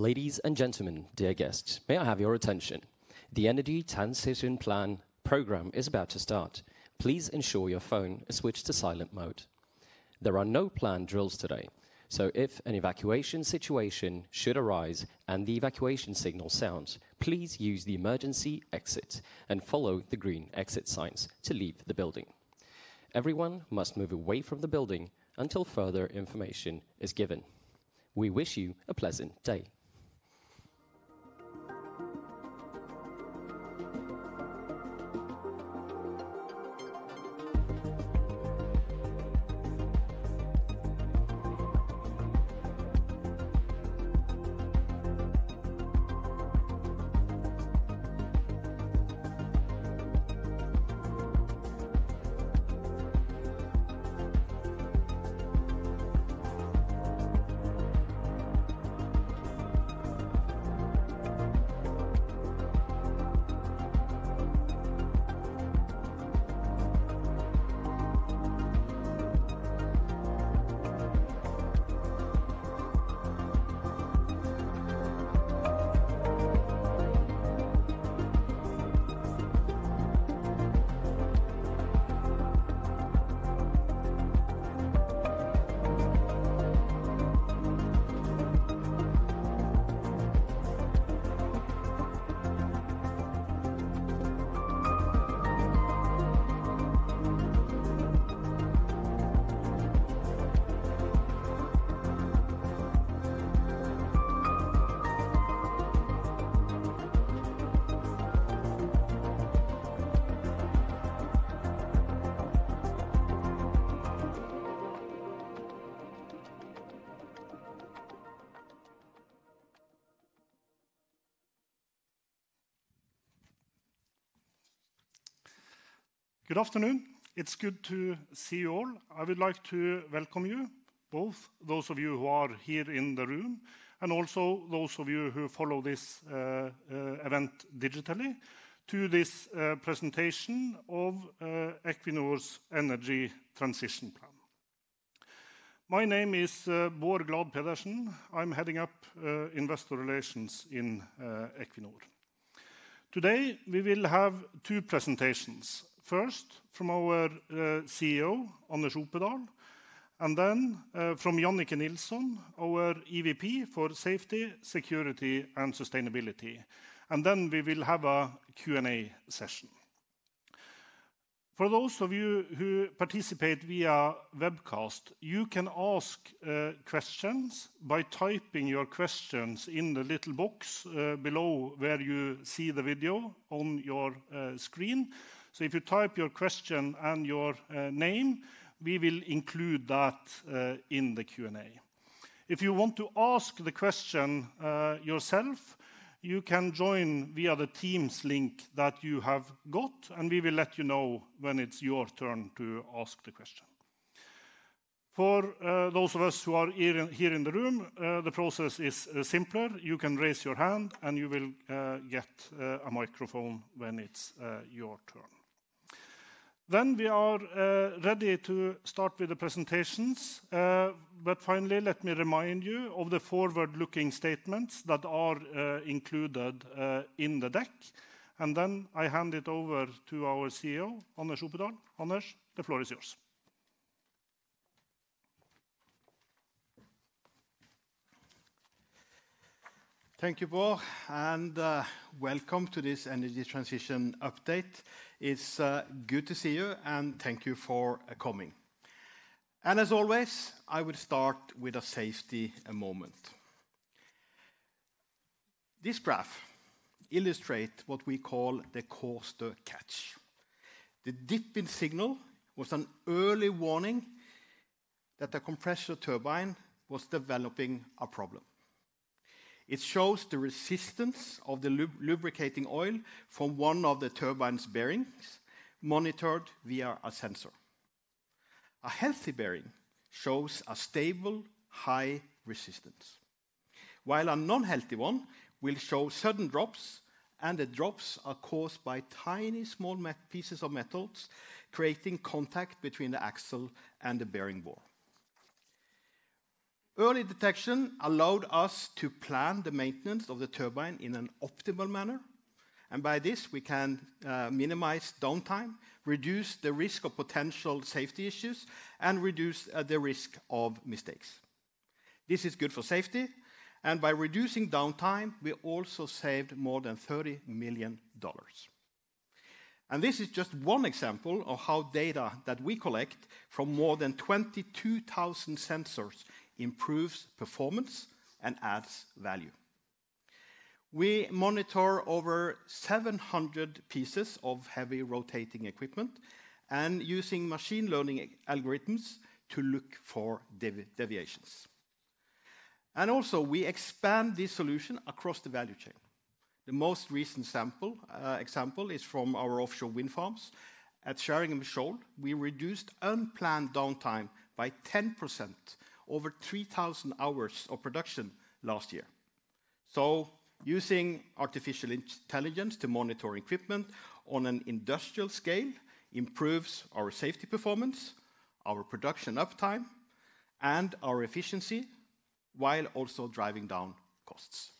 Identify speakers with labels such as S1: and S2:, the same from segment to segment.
S1: Ladies and gentlemen, dear guests, may I have your attention? The Energy Transition Plan program is about to start. Please ensure your phone is switched to silent mode. There are no planned drills today, so if an evacuation situation should arise and the evacuation signal sounds, please use the emergency exit and follow the green exit signs to leave the building. Everyone must move away from the building until further information is given. We wish you a pleasant day.
S2: Good afternoon. It's good to see you all. I would like to welcome you, both those of you who are here in the room and also those of you who follow this event digitally, to this presentation of Equinor's Energy Transition. My name is Bård Glad Pedersen. I'm heading up investor relations in Equinor. Today, we will have two presentations. First, from our CEO, Anders Opedal; and then from Jannicke Nilsson, our EVP for Safety, Security, and Sustainability. We will have a Q&A session. For those of you who participate via webcast, you can ask questions by typing your questions in the little box below where you see the video on your screen. If you type your question and your name, we will include that in the Q&A. If you want to ask the question yourself, you can join via the Teams link that you have got, and we will let you know when it's your turn to ask the question. For those of us who are here in the room, the process is simpler. You can raise your hand, and you will get a microphone when it's your turn. We are ready to start with the presentations. Finally, let me remind you of the forward-looking statements that are included in the deck. I hand it over to our CEO, Anders Opedal. Anders, the floor is yours.
S3: Thank you, Bård. Welcome to this Energy Transition Update. It is good to see you and thank you for coming. As always, I will start with a safety moment. This graph illustrates what we call the Kårstø catch. The dip in signal was an early warning that the compressor turbine was developing a problem. It shows the resistance of the lubricating oil from one of the turbine's bearings monitored via a sensor. A healthy bearing shows a stable, high resistance, while a non-healthy one will show sudden drops, and the drops are caused by tiny, small pieces of metals creating contact between the axle and the bearing bore. Early detection allowed us to plan the maintenance of the turbine in an optimal manner. By this, we can minimize downtime, reduce the risk of potential safety issues, and reduce the risk of mistakes. This is good for safety and by reducing downtime, we also saved more than $30 million. This is just one example of how data that we collect from more than 22,000 sensors improves performance and adds value. We monitor over 700 pieces of heavy rotating equipment and use machine learning algorithms to look for deviations. We expand this solution across the value chain. The most recent example is from our offshore wind farms at Sheringham Shoal. We reduced unplanned downtime by 10% over 3,000 hours of production last year. Using artificial intelligence to monitor equipment on an industrial scale improves our safety performance, our production uptime, and our efficiency while also driving down costs.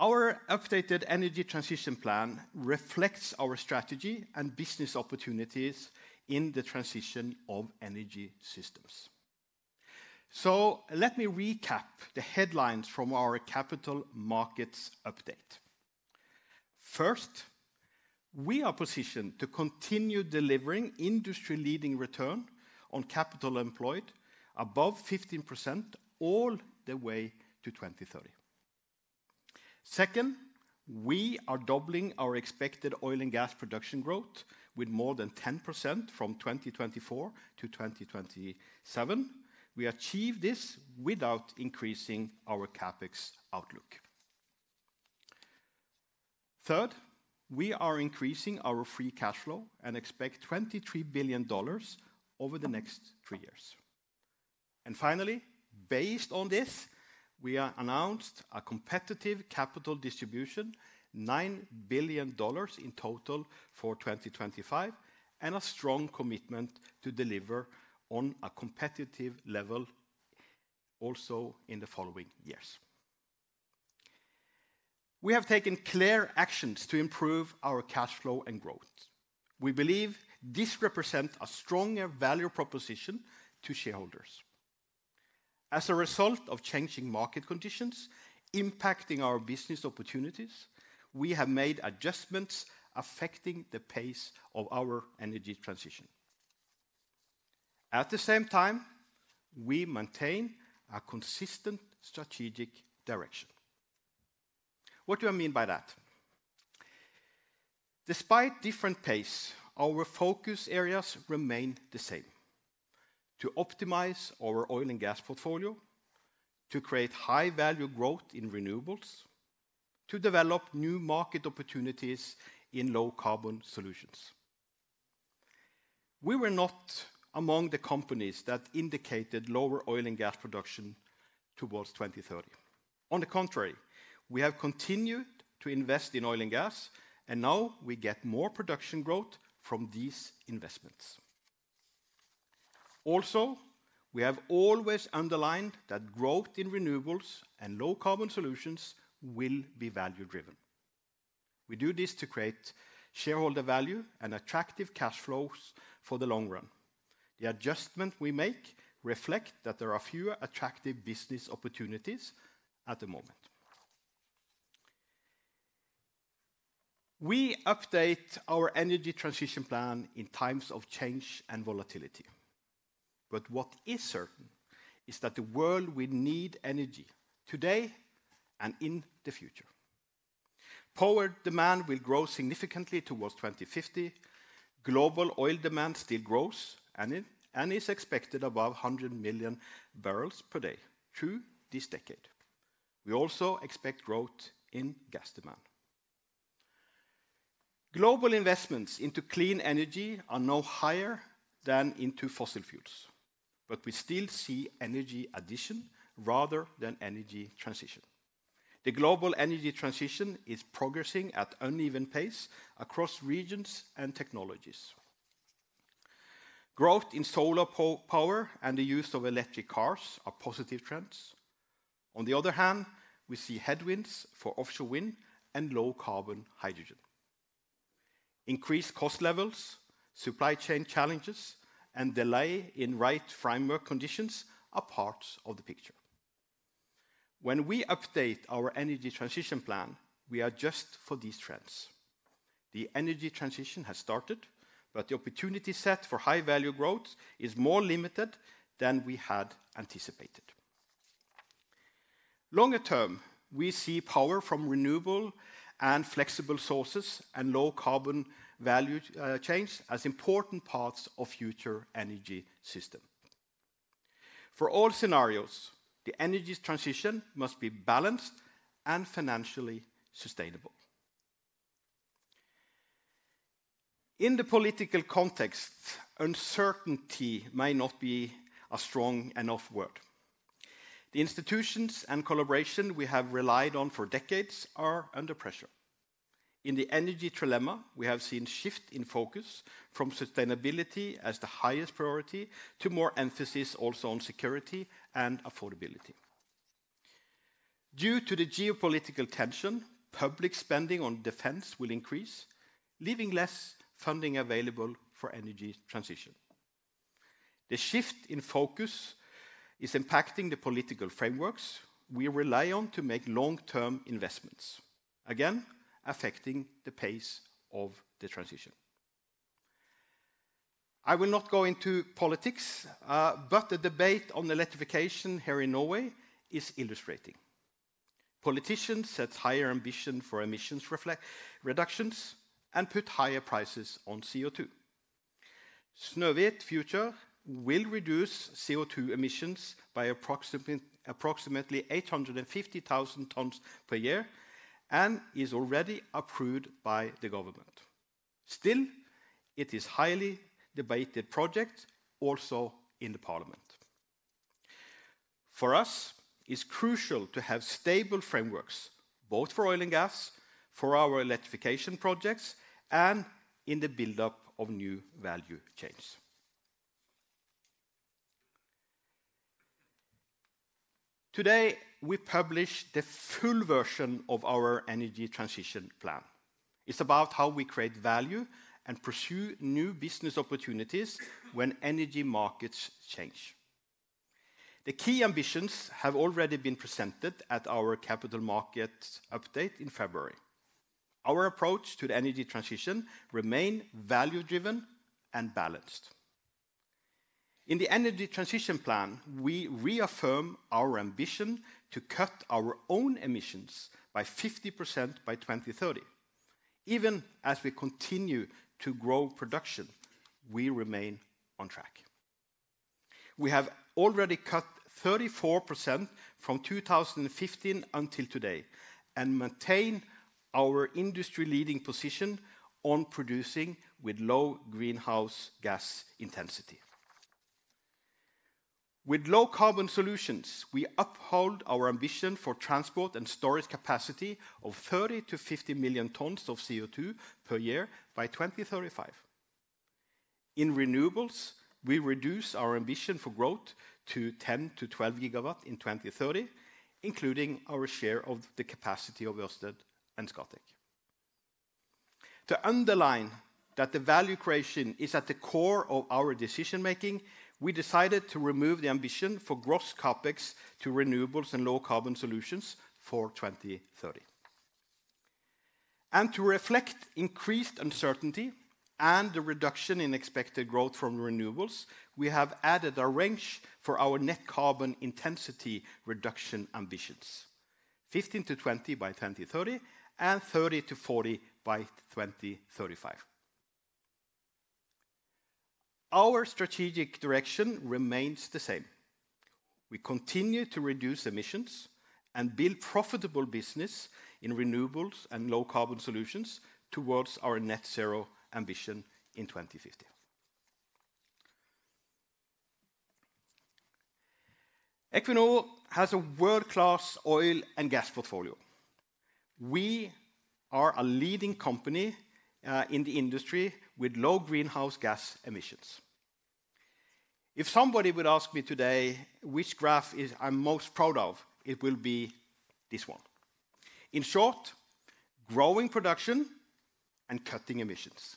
S3: Our updated Energy Transition Plan reflects our strategy and business opportunities in the transition of energy systems. Let me recap the headlines from our Capital Markets Update. First, we are positioned to continue delivering industry-leading return on capital employed above 15% all the way to 2030. Second, we are doubling our expected oil and gas production growth with more than 10% from 2024 to 2027. We achieve this without increasing our CapEx outlook. Third, we are increasing our free cash flow and expect $23 billion over the next three years. Finally, based on this, we announced a competitive capital distribution, $9 billion in total for 2025, and a strong commitment to deliver on a competitive level also in the following years. We have taken clear actions to improve our cash flow and growth. We believe this represents a stronger value proposition to shareholders. As a result of changing market conditions impacting our business opportunities, we have made adjustments affecting the pace of our energy transition. At the same time, we maintain a consistent strategic direction. What do I mean by that? Despite different pace, our focus areas remain the same: to optimize our oil and gas portfolio, to create high-value growth in renewables, to develop new market opportunities in low-carbon solutions. We were not among the companies that indicated lower oil and gas production towards 2030. On the contrary, we have continued to invest in oil and gas, and now we get more production growth from these investments. Also, we have always underlined that growth in renewables and low-carbon solutions will be value-driven. We do this to create shareholder value and attractive cash flows for the long run. The adjustment we make reflects that there are fewer attractive business opportunities at the moment. We update our Energy Transition Plan in times of change and volatility. What is certain is that the world will need energy today and in the future. Power demand will grow significantly towards 2050. Global oil demand still grows and is expected above 100 million barrels per day through this decade. We also expect growth in gas demand. Global investments into clean energy are no higher than into fossil fuels. We still see energy addition rather than energy transition. The global energy transition is progressing at an uneven pace across regions and technologies. Growth in solar power and the use of electric cars are positive trends. On the other hand, we see headwinds for offshore wind and low-carbon hydrogen. Increased cost levels, supply chain challenges, and delay in right framework conditions are parts of the picture. When we update our Energy Transition Plan, we adjust for these trends. The energy transition has started, but the opportunity set for high-value growth is more limited than we had anticipated. Longer term, we see power from renewable and flexible sources and low-carbon value chains as important parts of the future energy system. For all scenarios, the energy transition must be balanced and financially sustainable. In the political context, uncertainty may not be a strong enough word. The institutions and collaboration we have relied on for decades are under pressure. In the energy trilemma, we have seen a shift in focus from sustainability as the highest priority to more emphasis also on security and affordability. Due to the geopolitical tension, public spending on defense will increase, leaving less funding available for energy transition. The shift in focus is impacting the political frameworks we rely on to make long-term investments, again affecting the pace of the transition. I will not go into politics, but the debate on electrification here in Norway is illustrating. Politicians set higher ambitions for emissions reductions and put higher prices on CO2. Snøhvit Future will reduce CO2 emissions by approximately 850,000 tons per year and is already approved by the government. Still, it is a highly debated project also in the Parliament. For us, it is crucial to have stable frameworks both for oil and gas, for our electrification projects, and in the buildup of new value chains. Today, we publish the full version of our Energy Transition Plan. It's about how we create value and pursue new business opportunities when energy markets change. The key ambitions have already been presented at our Capital Markets Update in February. Our approach to the energy transition remains value-driven and balanced. In the Energy Transition Plan, we reaffirm our ambition to cut our own emissions by 50% by 2030. Even as we continue to grow production, we remain on track. We have already cut 34% from 2015 until today and maintain our industry-leading position on producing with low greenhouse gas intensity. With low-carbon solutions, we uphold our ambition for transport and storage capacity of 30 million-50 million tons of CO2 per year by 2035. In renewables, we reduce our ambition for growth to 10 GW-12 GW in 2030, including our share of the capacity of Ørsted and Scatec. To underline that the value creation is at the core of our decision-making, we decided to remove the ambition for gross CapEx to renewables and low-carbon solutions for 2030. To reflect increased uncertainty and the reduction in expected growth from renewables, we have added a range for our net carbon intensity reduction ambitions: 15%-20% by 2030 and 30%-40% by 2035. Our strategic direction remains the same. We continue to reduce emissions and build profitable business in renewables and low-carbon solutions towards our net zero ambition in 2050. Equinor has a world-class oil and gas portfolio. We are a leading company in the industry with low greenhouse gas emissions. If somebody would ask me today which graph I'm most proud of, it will be this one. In short, growing production and cutting emissions.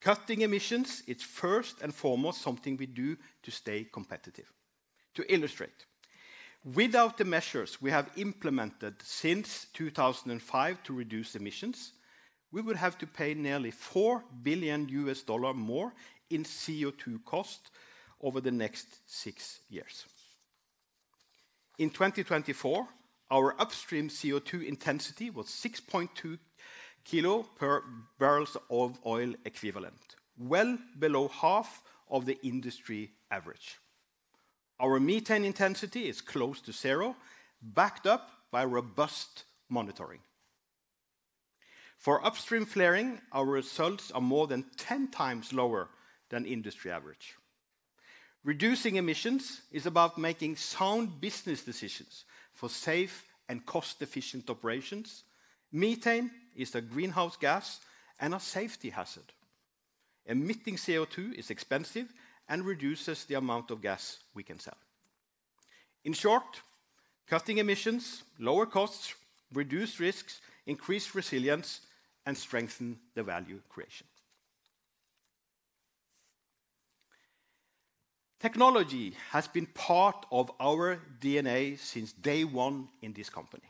S3: Cutting emissions is first and foremost something we do to stay competitive. To illustrate, without the measures we have implemented since 2005 to reduce emissions, we would have to pay nearly $4 billion more in CO2 cost over the next six years. In 2024, our upstream CO2 intensity was 6.2 kilo per barrels of oil equivalent, well below half of the industry average. Our methane intensity is close to zero, backed up by robust monitoring. For upstream flaring, our results are more than 10 times lower than industry average. Reducing emissions is about making sound business decisions for safe and cost-efficient operations. Methane is a greenhouse gas and a safety hazard. Emitting CO2 is expensive and reduces the amount of gas we can sell. In short, cutting emissions lowers costs, reduces risks, increases resilience, and strengthens the value creation. Technology has been part of our DNA since day one in this company.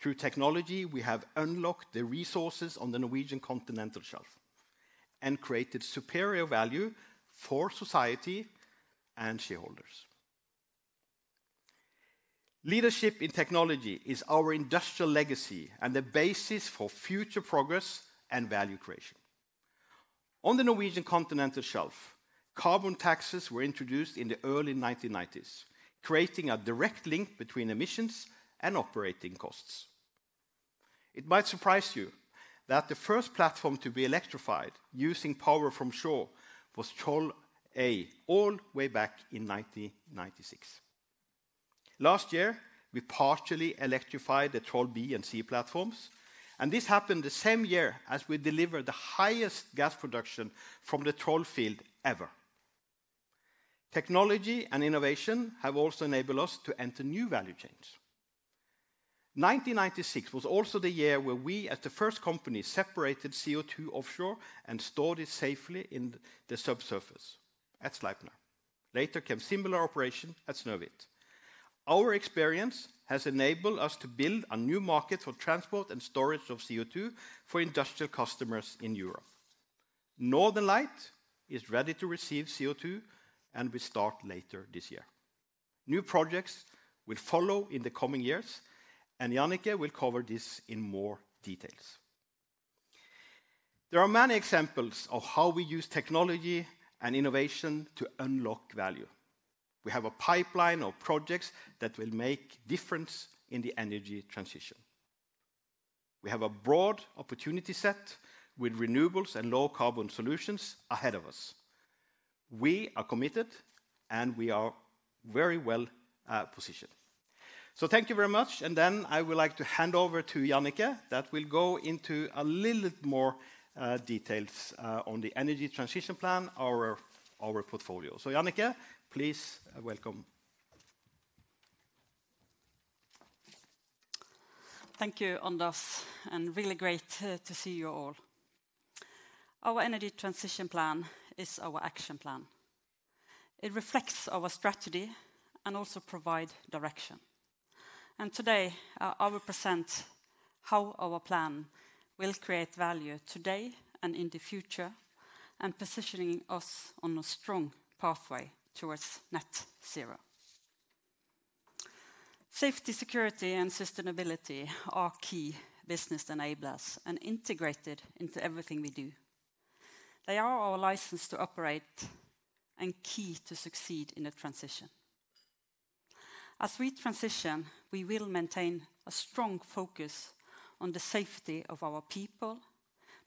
S3: Through technology, we have unlocked the resources on the Norwegian Continental Shelf and created superior value for society and shareholders. Leadership in technology is our industrial legacy and the basis for future progress and value creation. On the Norwegian Continental Shelf, carbon taxes were introduced in the early 1990s, creating a direct link between emissions and operating costs. It might surprise you that the first platform to be electrified using power from shore was Troll A all the way back in 1996. Last year, we partially electrified the Troll B and C platforms, and this happened the same year as we delivered the highest gas production from the Troll field ever. Technology and innovation have also enabled us to enter new value chains. 1996 was also the year where we, as the first company, separated CO2 offshore and stored it safely in the subsurface at Sleipner. Later came similar operation at Snøhvit. Our experience has enabled us to build a new market for transport and storage of CO2 for industrial customers in Europe. Northern Lights is ready to receive CO2, and we start later this year. New projects will follow in the coming years, and Jannicke will cover this in more detail. There are many examples of how we use technology and innovation to unlock value. We have a pipeline of projects that will make a difference in the energy transition. We have a broad opportunity set with renewables and low-carbon solutions ahead of us. We are committed, and we are very well positioned. Thank you very much. I would like to hand over to Jannicke that will go into a little bit more details on the Energy Transition Plan, our portfolio. Jannicke, please welcome.
S4: Thank you, Anders and really great to see you all. Our Energy Transition Plan is our action plan. It reflects our strategy and also provides direction. Today, I will present how our plan will create value today and, in the future, and positioning us on a strong pathway towards net zero. Safety, security, and sustainability are key business enablers and integrated into everything we do. They are our license to operate and key to succeed in the transition. As we transition, we will maintain a strong focus on the safety of our people,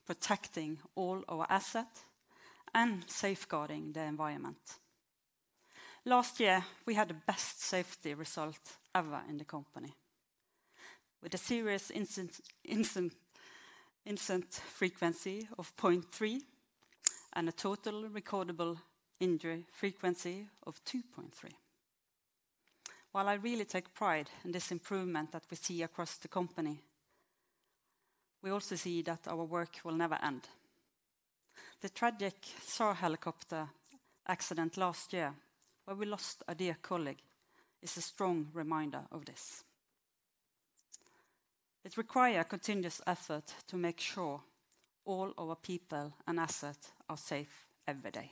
S4: protecting all our assets and safeguarding the environment. Last year, we had the best safety result ever in the company with a serious incident frequency of 0.3 and a total recordable injury frequency of 2.3. While I really take pride in this improvement that we see across the company, we also see that our work will never end. The tragic SAR helicopter accident last year, where we lost a dear colleague, is a strong reminder of this. It requires continuous effort to make sure all our people and assets are safe every day.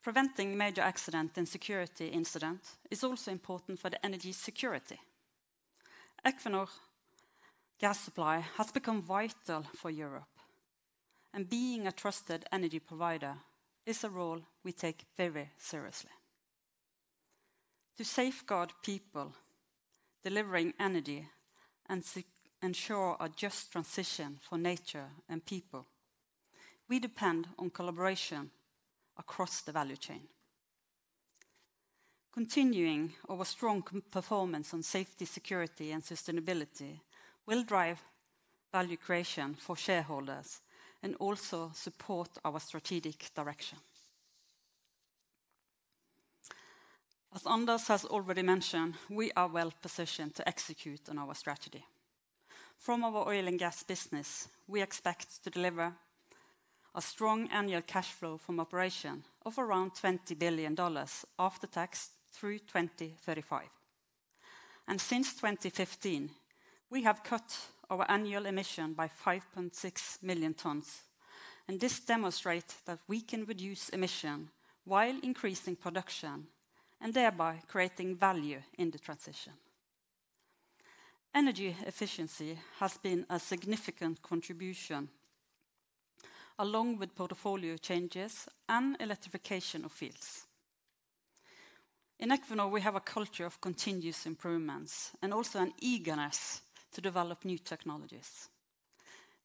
S4: Preventing major accidents and security incidents is also important for the energy security. Equinor gas supply has become vital for Europe, and being a trusted energy provider is a role we take very seriously. To safeguard people, delivering energy, and ensure a just transition for nature and people, we depend on collaboration across the value chain. Continuing our strong performance on safety, security, and sustainability will drive value creation for shareholders and also support our strategic direction. As Anders has already mentioned, we are well positioned to execute on our strategy. From our oil and gas business, we expect to deliver a strong annual cash flow from operation of around $20 billion after tax through 2035. Since 2015, we have cut our annual emission by 5.6 million tons, and this demonstrates that we can reduce emission while increasing production and thereby creating value in the transition. Energy efficiency has been a significant contribution along with portfolio changes and electrification of fields. In Equinor, we have a culture of continuous improvements and also an eagerness to develop new technologies.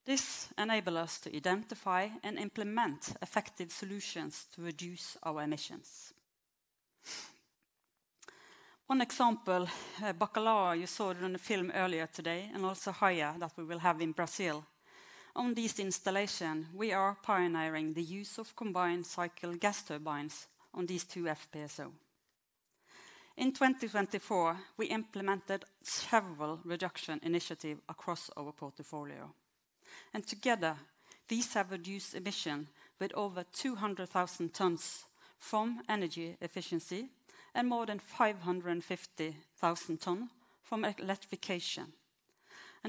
S4: This enables us to identify and implement effective solutions to reduce our emissions. One example, Bacalhau, you saw it on the film earlier today, and also Raia that we will have in Brazil. On these installations, we are pioneering the use of combined cycle gas turbines on these two FPSO. In 2024, we implemented several reduction initiatives across our portfolio, and together these have reduced emissions by over 200,000 tons from energy efficiency and more than 550,000 tons from electrification.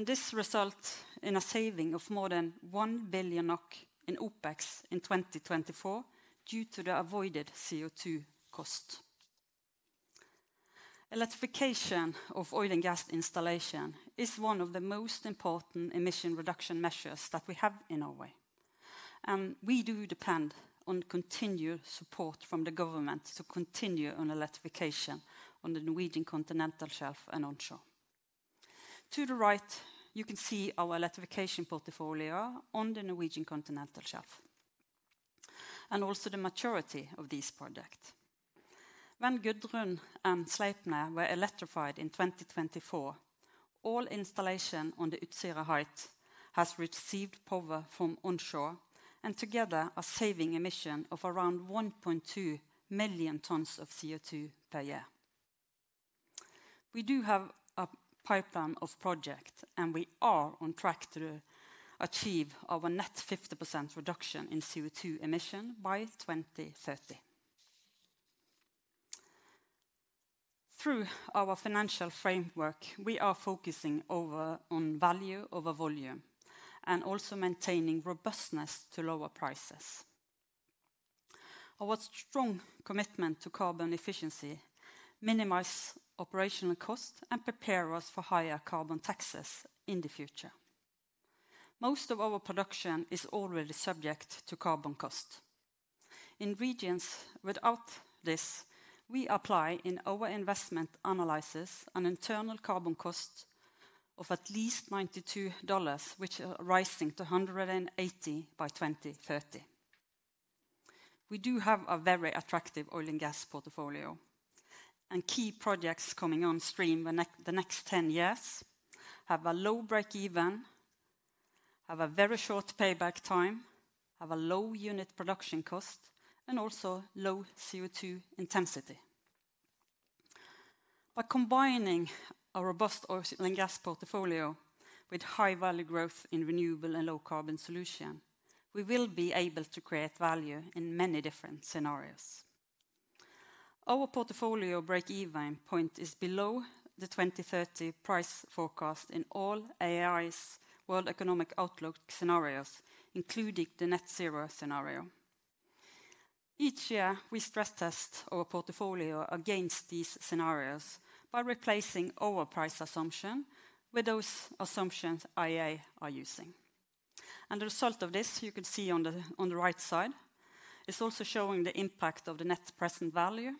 S4: This resulted in a saving of more than 1 billion NOK in OpEx in 2024 due to the avoided CO2 cost. Electrification of oil and gas installations is one of the most important emission reduction measures that we have in Norway, and we do depend on continued support from the government to continue on electrification on the Norwegian Continental Shelf and onshore. To the right, you can see our electrification portfolio on the Norwegian Continental Shelf and also the maturity of these projects. When Gudrun and Sleipner were electrified in 2024, all installations on the Utsira Height have received power from onshore and together are saving emissions of around 1.2 million tons of CO2 per year. We do have a pipeline of projects, and we are on track to achieve our net 50% reduction in CO2 emissions by 2030. Through our financial framework, we are focusing on value over volume and also maintaining robustness to lower prices. Our strong commitment to carbon efficiency minimizes operational costs and prepares us for higher carbon taxes in the future. Most of our production is already subject to carbon costs. In regions without this, we apply in our investment analysis an internal carbon cost of at least $92, which is rising to $180 by 2030. We do have a very attractive oil and gas portfolio, and key projects coming on stream the next 10 years have a low break-even, have a very short payback time, have a low unit production cost, and also low CO2 intensity. By combining a robust oil and gas portfolio with high-value growth in renewable and low-carbon solutions, we will be able to create value in many different scenarios. Our portfolio break-even point is below the 2030 price forecast in all IEA's World Economic Outlook scenarios, including the net zero scenario. Each year, we stress-test our portfolio against these scenarios by replacing our price assumption with those assumptions IEA are using. The result of this, you can see on the right side, is also showing the impact of the net present value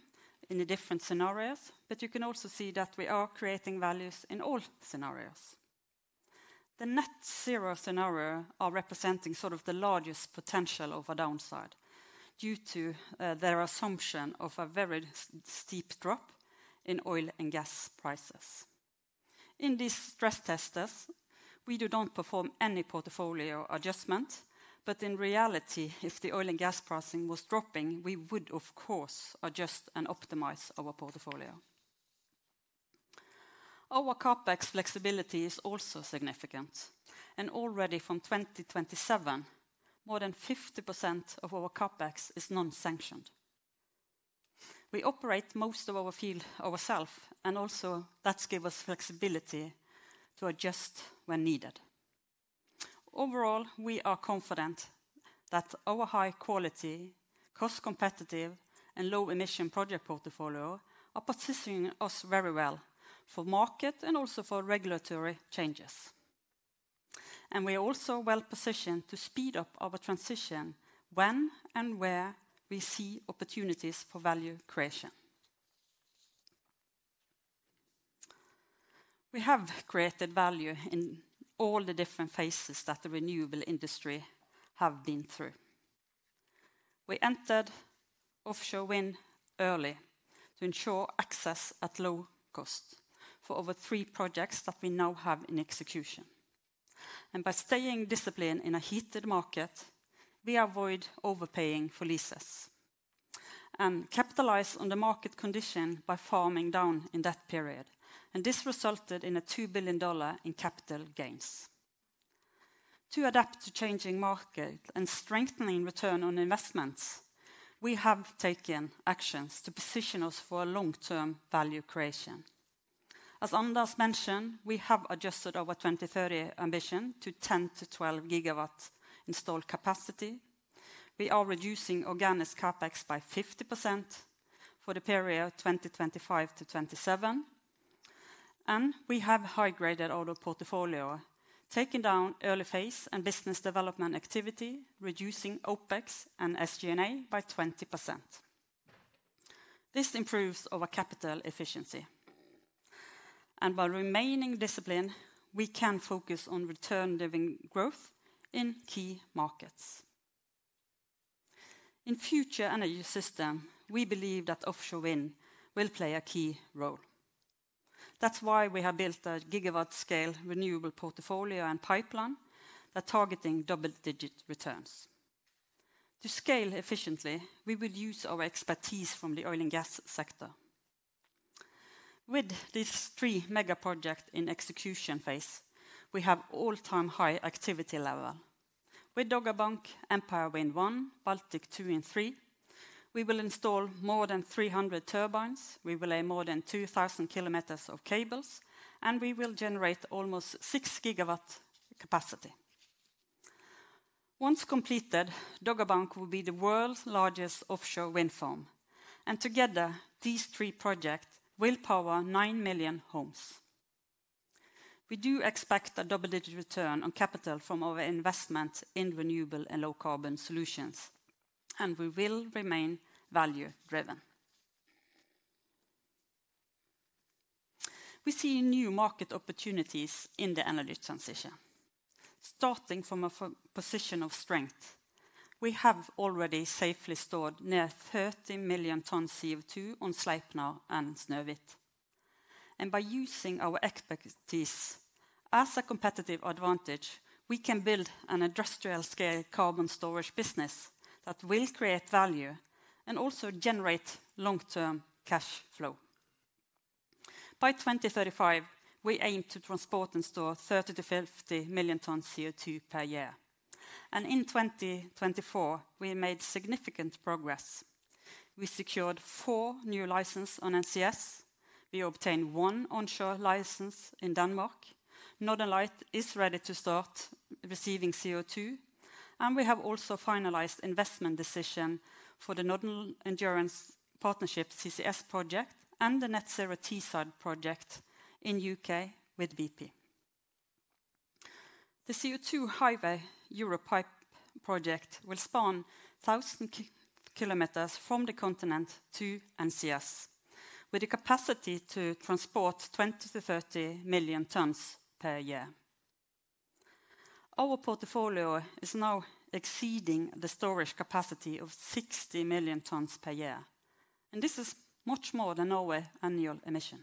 S4: in the different scenarios, but you can also see that we are creating values in all scenarios. The net zero scenarios are representing sort of the largest potential of a downside due to their assumption of a very steep drop in oil and gas prices. In these stress tests, we do not perform any portfolio adjustment, but in reality, if the oil and gas pricing was dropping, we would, of course, adjust and optimize our portfolio. Our CapEx flexibility is also significant, and already from 2027, more than 50% of our CapEx is non-sanctioned. We operate most of our field ourselves, and also that gives us flexibility to adjust when needed. Overall, we are confident that our high-quality, cost-competitive, and low-emission project portfolio is positioning us very well for market and also for regulatory changes. We are also well positioned to speed up our transition when and where we see opportunities for value creation. We have created value in all the different phases that the renewable industry has been through. We entered offshore wind early to ensure access at low cost for over three projects that we now have in execution. By staying disciplined in a heated market, we avoid overpaying for leases and capitalize on the market condition by farming down in that period. This resulted in a $2 billion capital gains. To adapt to changing markets and strengthen return on investments, we have taken actions to position us for long-term value creation. As Anders mentioned, we have adjusted our 2030 ambition to 10 GW-12 GW installed capacity. We are reducing organic CapEx by 50% for the period 2025 to 2027. We have high-graded our portfolio, taking down early phase and business development activity, reducing OpEx and SG&A by 20%. This improves our capital efficiency. By remaining disciplined, we can focus on return-driven growth in key markets. In future energy systems, we believe that offshore wind will play a key role. That's why we have built a gigawatt-scale renewable portfolio and pipeline that targets double-digit returns. To scale efficiently, we will use our expertise from the oil and gas sector. With these three mega projects in execution phase, we have all-time high activity level. With Dogger Bank, Empire Wind 1, Bałtyk II and III, we will install more than 400 turbines, we will lay more than 2,000 km of cables, and we will generate almost 6 GW capacity. Once completed, Dogger Bank will be the world's largest offshore wind farm. Together, these three projects will power 9 million homes. We do expect a double-digit return on capital from our investment in renewable and low-carbon solutions, and we will remain value-driven. We see new market opportunities in the energy transition. Starting from a position of strength, we have already safely stored near 30 million tons of CO2 on Sleipner and Snøhvit. By using our expertise as a competitive advantage, we can build an industrial-scale carbon storage business that will create value and also generate long-term cash flow. By 2035, we aim to transport and store 30 to 50 million tons of CO2 per year. In 2024, we made significant progress. We secured four new licenses on NCS. We obtained one onshore license in Denmark. Northern Lights is ready to start receiving CO2, and we have also finalized investment decisions for the Northern Endurance Partnership CCS project and the Net Zero Teesside project in U.K. with BP. The CO2 Highway Europe project will span 1,000 km from the continent to NCS, with the capacity to transport 20 million-30 million tons per year. Our portfolio is now exceeding the storage capacity of 60 million tons per year, and this is much more than Norway's annual emission.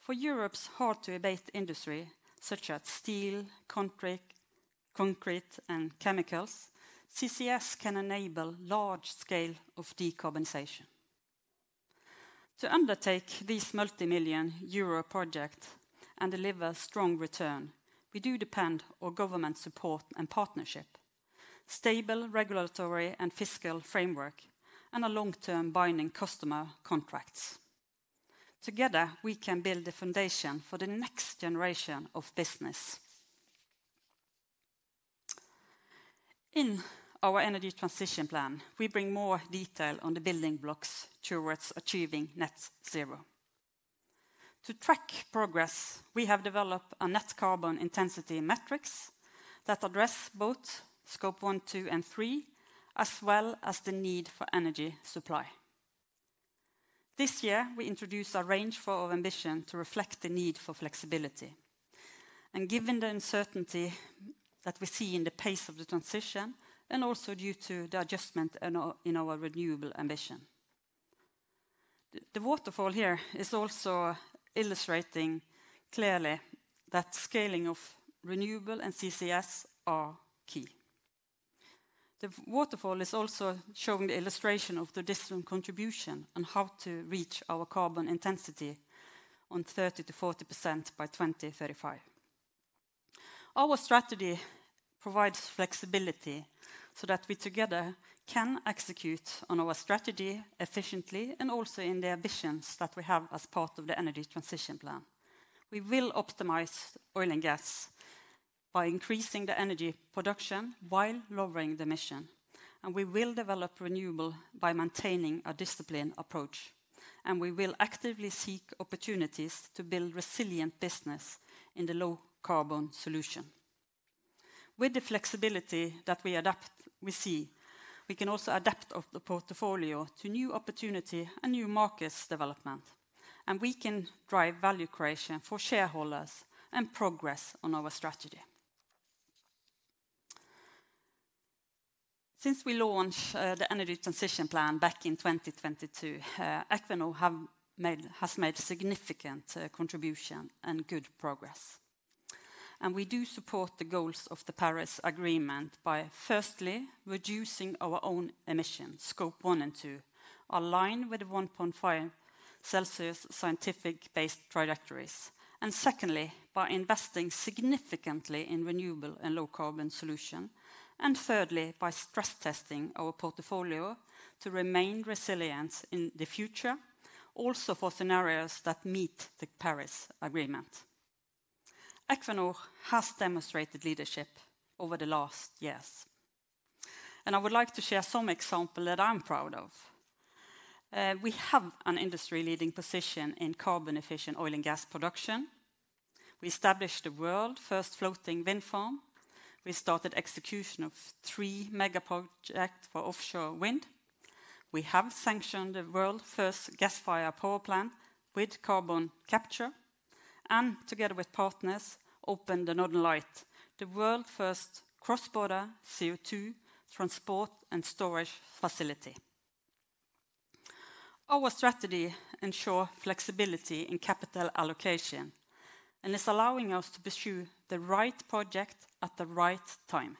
S4: For Europe's hard-to-abate industry, such as steel, concrete, and chemicals, CCS can enable large-scale decarbonization. To undertake these multi-million euro projects and deliver strong returns, we do depend on government support and partnership, a stable regulatory and fiscal framework, and long-term binding customer contracts. Together, we can build the foundation for the next generation of business. In our Energy Transition Plan, we bring more detail on the building blocks towards achieving net zero. To track progress, we have developed a net carbon intensity matrix that addresses both Scope 1, 2, and 3, as well as the need for energy supply. This year, we introduced a range for our ambition to reflect the need for flexibility and given the uncertainty that we see in the pace of the transition, and also due to the adjustment in our renewable ambition. The waterfall here is also illustrating clearly that scaling of renewables and CCS is key. The waterfall is also showing the illustration of the distant contribution on how to reach our carbon intensity of 30%-40% by 2035. Our strategy provides flexibility so that we together can execute on our strategy efficiently and also in the ambitions that we have as part of the Energy Transition Plan. We will optimize oil and gas by increasing the energy production while lowering the emission, and we will develop renewable by maintaining a disciplined approach, and we will actively seek opportunities to build resilient businesses in the low-carbon solution. With the flexibility that we see, we can also adapt the portfolio to new opportunities and new market development, and we can drive value creation for shareholders and progress on our strategy. Since we launched the Energy Transition Plan back in 2022, Equinor has made significant contributions and good progress. We do support the goals of the Paris Agreement by, firstly, reducing our own emissions, Scope 1 and 2, aligned with the 1.5 degrees Celsius scientific-based trajectories; and secondly, by investing significantly in renewable and low-carbon solutions; and thirdly, by stress-testing our portfolio to remain resilient in the future, also for scenarios that meet the Paris Agreement. Equinor has demonstrated leadership over the last years, and I would like to share some examples that I'm proud of. We have an industry-leading position in carbon-efficient oil and gas production. We established the world's first floating wind farm. We started execution of three mega projects for offshore wind. We have sanctioned the world's first gas-fired power plant with carbon capture, and together with partners, opened the Northern Lights, the world's first cross-border CO2 transport and storage facility. Our strategy ensures flexibility in capital allocation and is allowing us to pursue the right project at the right time.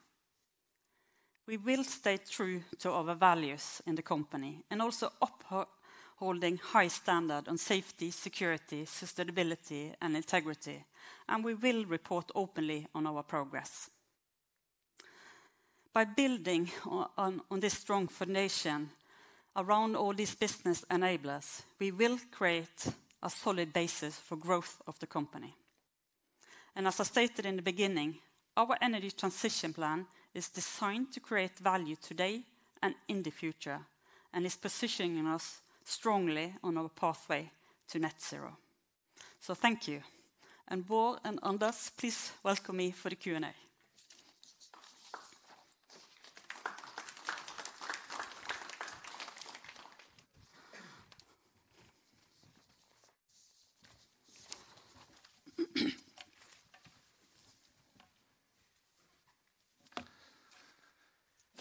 S4: We will stay true to our values in the company and also uphold a high standard on safety, security, sustainability, and integrity, and we will report openly on our progress. By building on this strong foundation around all these business enablers, we will create a solid basis for growth of the company. As I stated in the beginning, our Energy Transition Plan is designed to create value today and, in the future, and is positioning us strongly on our pathway to net zero. Thank you. Bo and Anders, please welcome me for the Q&A.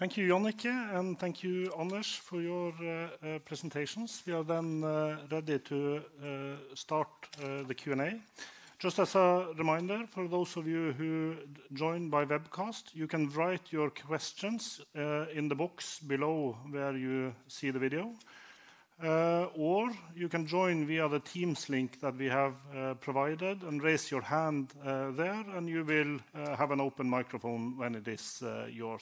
S2: Thank you, Jannicke, and thank you, Anders, for your presentations. We are then ready to start the Q&A. Just as a reminder, for those of you who join by webcast, you can write your questions in the box below where you see the video. You can join via the Teams link that we have provided and raise your hand there, and you will have an open microphone when it is your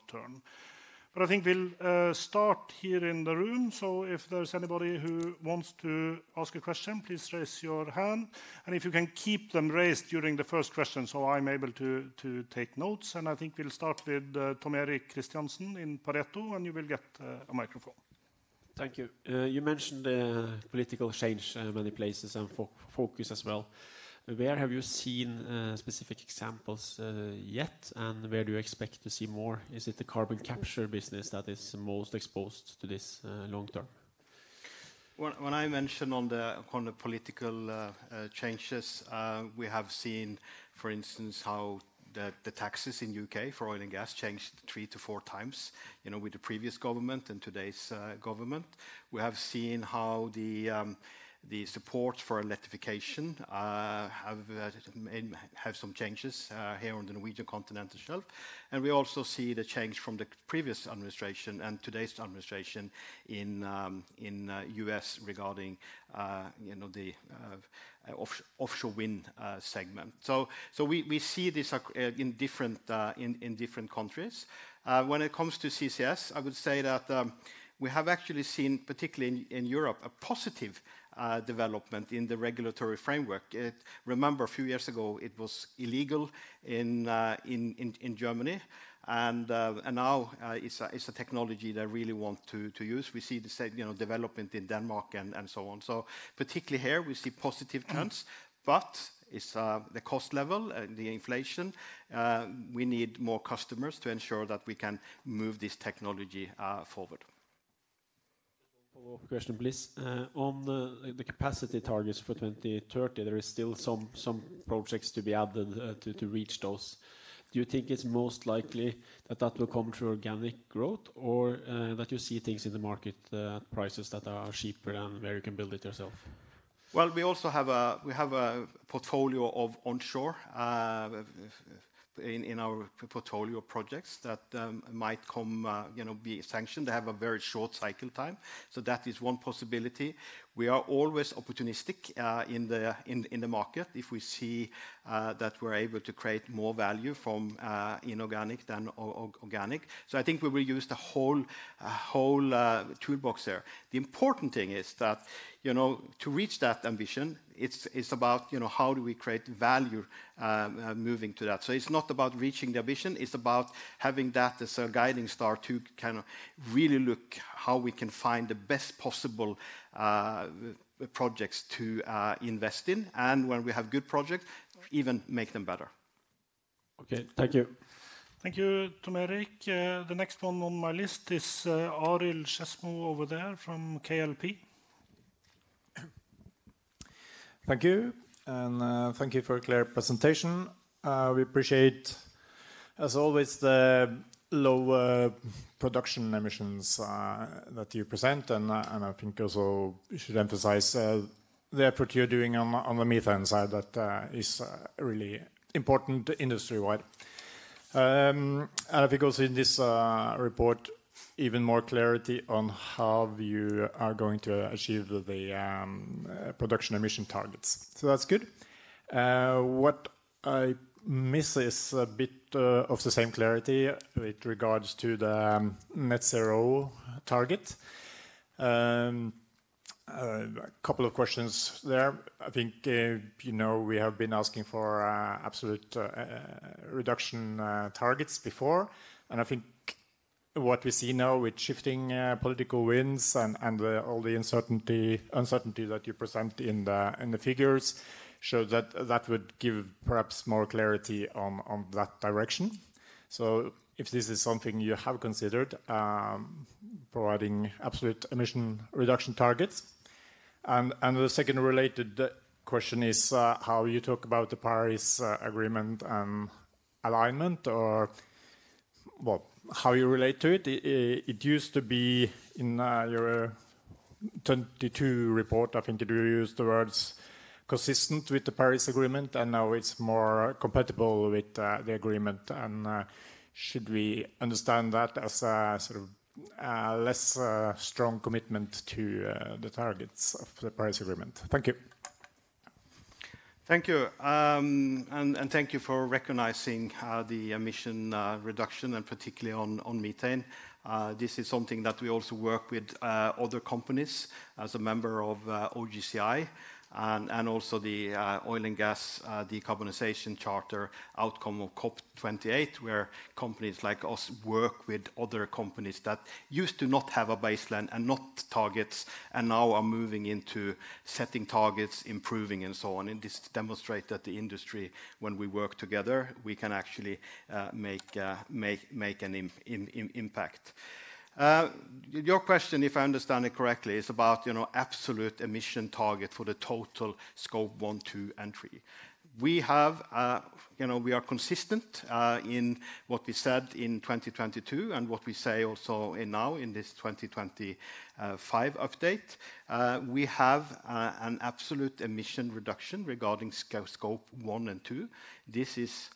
S2: turn. I think we'll start here in the room, so if there's anybody who wants to ask a question, please raise your hand. If you can keep them raised during the first question so I'm able to take notes. I think we'll start with Tom Erik Kristiansen in Pareto, and you will get a microphone.
S5: Thank you. You mentioned political change in many places and focus as well. Where have you seen specific examples yet, and where do you expect to see more? Is it the carbon capture business that is most exposed to this long term?
S3: When I mentioned on the political changes, we have seen, for instance, how the taxes in the U.K. for oil and gas changed three to four times, you know, with the previous government and today's government. We have seen how the support for electrification has some changes here on the Norwegian Continental Shelf. We also see the change from the previous administration and today's administration in the U.S. regarding, you know, the offshore wind segment. We see this in different countries. When it comes to CCS, I would say that we have actually seen, particularly in Europe, a positive development in the regulatory framework. Remember, a few years ago, it was illegal in Germany, and now it is a technology they really want to use. We see the same development in Denmark and so on. Particularly here, we see positive trends, but it's the cost level and the inflation. We need more customers to ensure that we can move this technology forward.
S5: Just one follow-up question, please. On the capacity targets for 2030, there are still some projects to be added to reach those. Do you think it's most likely that that will come through organic growth or that you see things in the market at prices that are cheaper and where you can build it yourself?
S3: We also have a portfolio of onshore in our portfolio projects that might be sanctioned. They have a very short cycle time. That is one possibility. We are always opportunistic in the market if we see that we're able to create more value from inorganic than organic. I think we will use the whole toolbox there. The important thing is that, you know, to reach that ambition, it's about, you know, how do we create value moving to that. It's not about reaching the ambition. It's about having that as a guiding star to kind of really look how we can find the best possible projects to invest in. When we have good projects, even make them better.
S5: Okay, thank you.
S2: Thank you, Tom Erik. The next one on my list is Arild Skedsmo over there from KLP.
S6: Thank you. Thank you for a clear presentation. We appreciate, as always, the low production emissions that you present. I think also we should emphasize the effort you're doing on the methane side that is really important industry wide. I think also in this report, even more clarity on how you are going to achieve the production emission targets. That's good. What I miss is a bit of the same clarity with regards to the net zero target. A couple of questions there. I think, you know, we have been asking for absolute reduction targets before. I think what we see now with shifting political winds and all the uncertainty that you present in the figures shows that that would give perhaps more clarity on that direction. If this is something you have considered, providing absolute emission reduction targets. The second related question is how you talk about the Paris Agreement and alignment or, well, how you relate to it. It used to be in your 2022 report, I think you used the words consistent with the Paris Agreement, and now it is more compatible with the agreement. Should we understand that as a sort of less strong commitment to the targets of the Paris Agreement? Thank you.
S3: Thank you. Thank you for recognizing the emission reduction, and particularly on methane. This is something that we also work with other companies as a member of OGCI and also the Oil and Gas Decarbonization Charter outcome of COP28, where companies like us work with other companies that used to not have a baseline and not targets, and now are moving into setting targets, improving, and so on. This demonstrates that the industry, when we work together, we can actually make an impact. Your question, if I understand it correctly, is about, you know, absolute emission targets for the total Scope 1, 2, and 3. We have, you know, we are consistent in what we said in 2022 and what we say also now in this 2025 update. We have an absolute emission reduction regarding Scope 1 and S. This is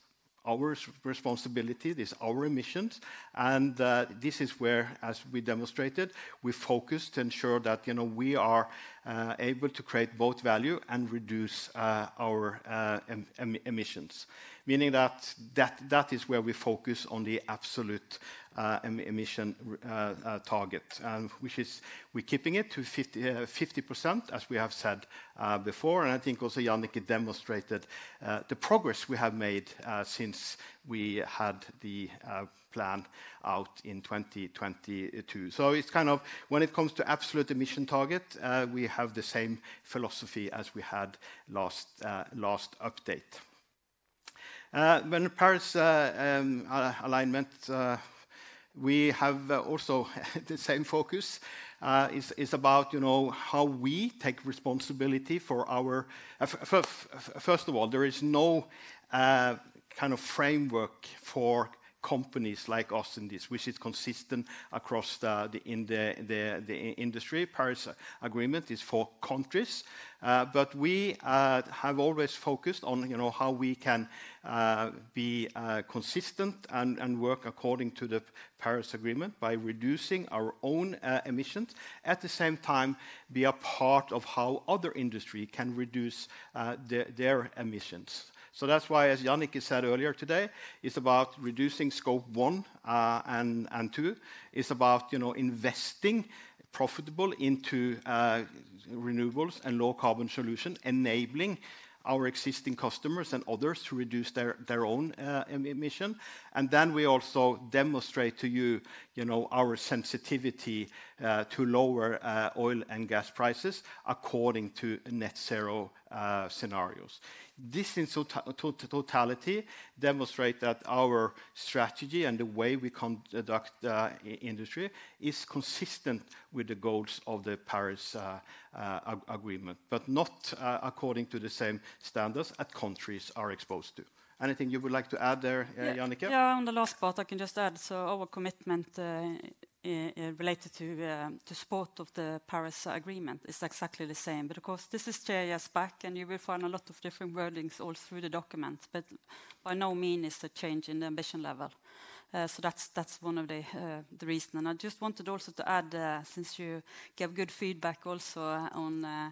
S3: our responsibility. These are our emissions. This is where, as we demonstrated, we focus to ensure that, you know, we are able to create both value and reduce our emissions, meaning that that is where we focus on the absolute emission target, which is we're keeping it to 50%, as we have said before. I think also Jannicke demonstrated the progress we have made since we had the plan out in 2022. It is kind of when it comes to absolute emission targets, we have the same philosophy as we had last update. When it comes to Paris alignment, we have also the same focus. It's about, you know, how we take responsibility for our—first of all, there is no kind of framework for companies like us in this, which is consistent across the industry. Paris Agreement is for countries, but we have always focused on, you know, how we can be consistent and work according to the Paris Agreement by reducing our own emissions. At the same time, be a part of how other industries can reduce their emissions. That is why, as Jannicke said earlier today, it is about reducing Scope 1 and 2. It is about, you know, investing profitably into renewables and low-carbon solutions, enabling our existing customers and others to reduce their own emissions. Then we also demonstrate to you, you know, our sensitivity to lower oil and gas prices according to net zero scenarios. This, in totality, demonstrates that our strategy and the way we conduct industry is consistent with the goals of the Paris Agreement, but not according to the same standards that countries are exposed to. Anything you would like to add there, Jannicke?
S4: Yeah, on the last part, I can just add, our commitment related to support of the Paris Agreement is exactly the same. Of course, this is three years back, and you will find a lot of different wordings all through the document, but by no means is there a change in the ambition level. That is one of the reasons. I just wanted also to add, since you gave good feedback also on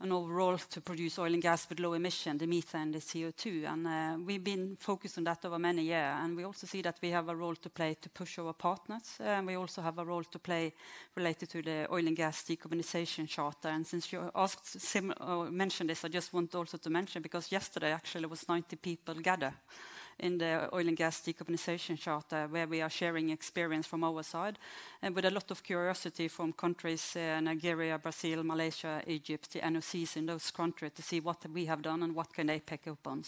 S4: our role to produce oil and gas with low emissions, the methane and the CO2, and we've been focused on that over many years. We also see that we have a role to play to push our partners. We also have a role to play related to the Oil and Gas Decarbonization Charter. Since you mentioned this, I just want also to mention because yesterday actually was 19 people gathered in the Oil and Gas Decarbonization Charter where we are sharing experience from our side and with a lot of curiosity from countries—Nigeria, Brazil, Malaysia, Egypt—the NOCs in those countries to see what we have done and what can they pick up on.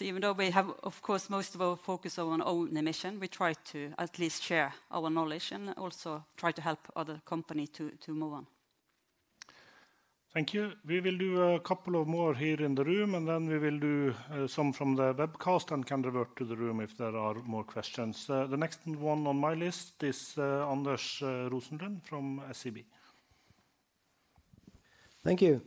S4: Even though we have, of course, most of our focus on own emissions, we try to at least share our knowledge and also try to help other companies to move on.
S2: Thank you. We will do a couple of more here in the room, and then we will do some from the webcast and can revert to the room if there are more questions. The next one on my list is Anders Rosenlund from SEB.
S7: Thank you.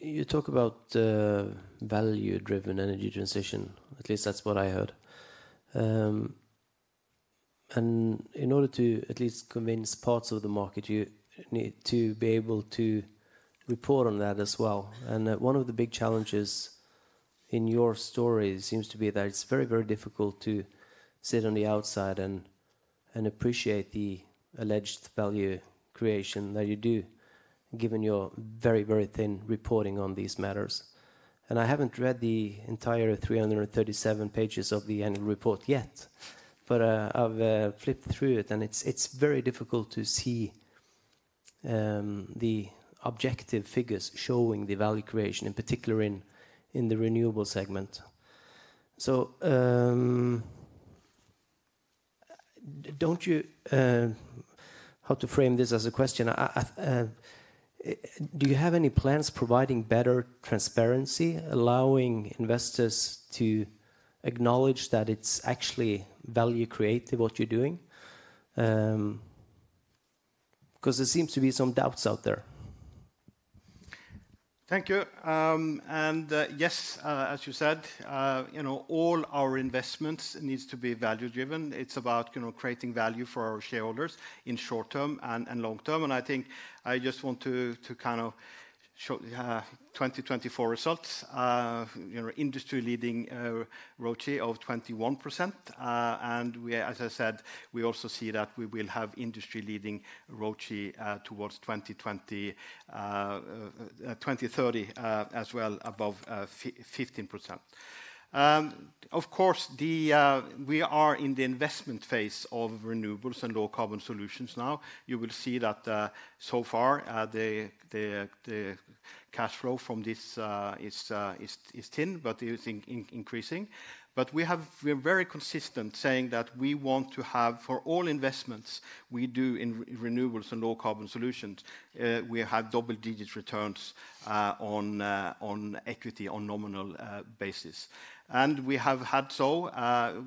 S7: You talk about value-driven energy transition. At least that's what I heard. In order to at least convince parts of the market, you need to be able to report on that as well. One of the big challenges in your story seems to be that it's very, very difficult to sit on the outside and appreciate the alleged value creation that you do, given your very, very thin reporting on these matters. I haven't read the entire 337 pages of the annual report yet, but I've flipped through it, and it's very difficult to see the objective figures showing the value creation, in particular in the renewable segment. How to frame this as a question? Do you have any plans providing better transparency, allowing investors to acknowledge that it's actually value-creative, what you're doing? There seems to be some doubts out there. Thank you. Yes, as you said, you know, all our investments need to be value-driven. It's about, you know, creating value for our shareholders in short term and long term. I think I just want to kind of show 2024 results, you know, industry-leading ROCE of 21%. We, as I said, we also see that we will have industry-leading ROCE towards 2030 as well, above 15%. Of course, we are in the investment phase of renewables and low-carbon solutions now. You will see that so far the cash flow from this is thin, but it's increasing. We are very consistent saying that we want to have for all investments we do in renewables and low-carbon solutions, we have double-digit returns on equity on nominal basis. We have had so.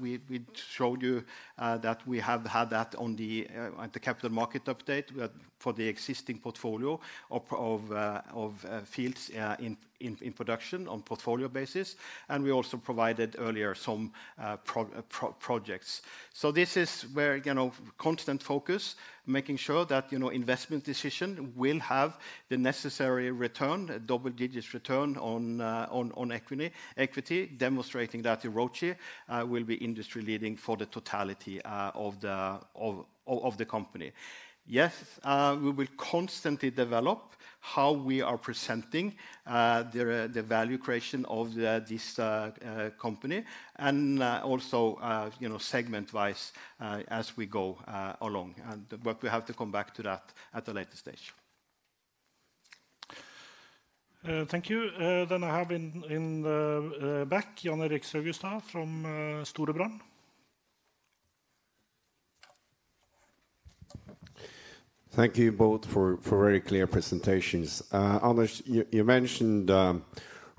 S7: We showed you that we have had that on the Capital Market Update for the existing portfolio of fields in production on portfolio basis. We also provided earlier some projects. This is where, you know, constant focus, making sure that, you know, investment decision will have the necessary return, double-digit return on equity, demonstrating that the ROCE will be industry-leading for the totality of the company. Yes, we will constantly develop how we are presenting the value creation of this company and also, you know, segment-wise as we go along. We have to come back to that at a later stage.
S2: Thank you. I have in the back, Jan Erik Saugestad from Storebrand.
S8: Thank you both for very clear presentations. Anders, you mentioned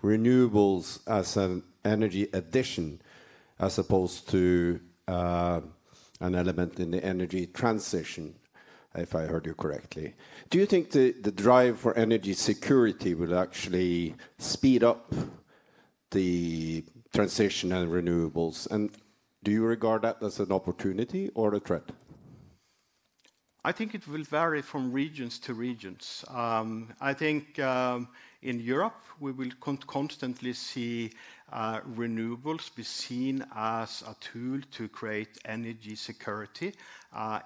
S8: renewables as an energy addition as opposed to an element in the energy transition, if I heard you correctly. Do you think the drive for energy security will actually speed up the transition and renewables? And do you regard that as an opportunity or a threat?
S3: I think it will vary from regions to regions. I think in Europe, we will constantly see renewables be seen as a tool to create energy security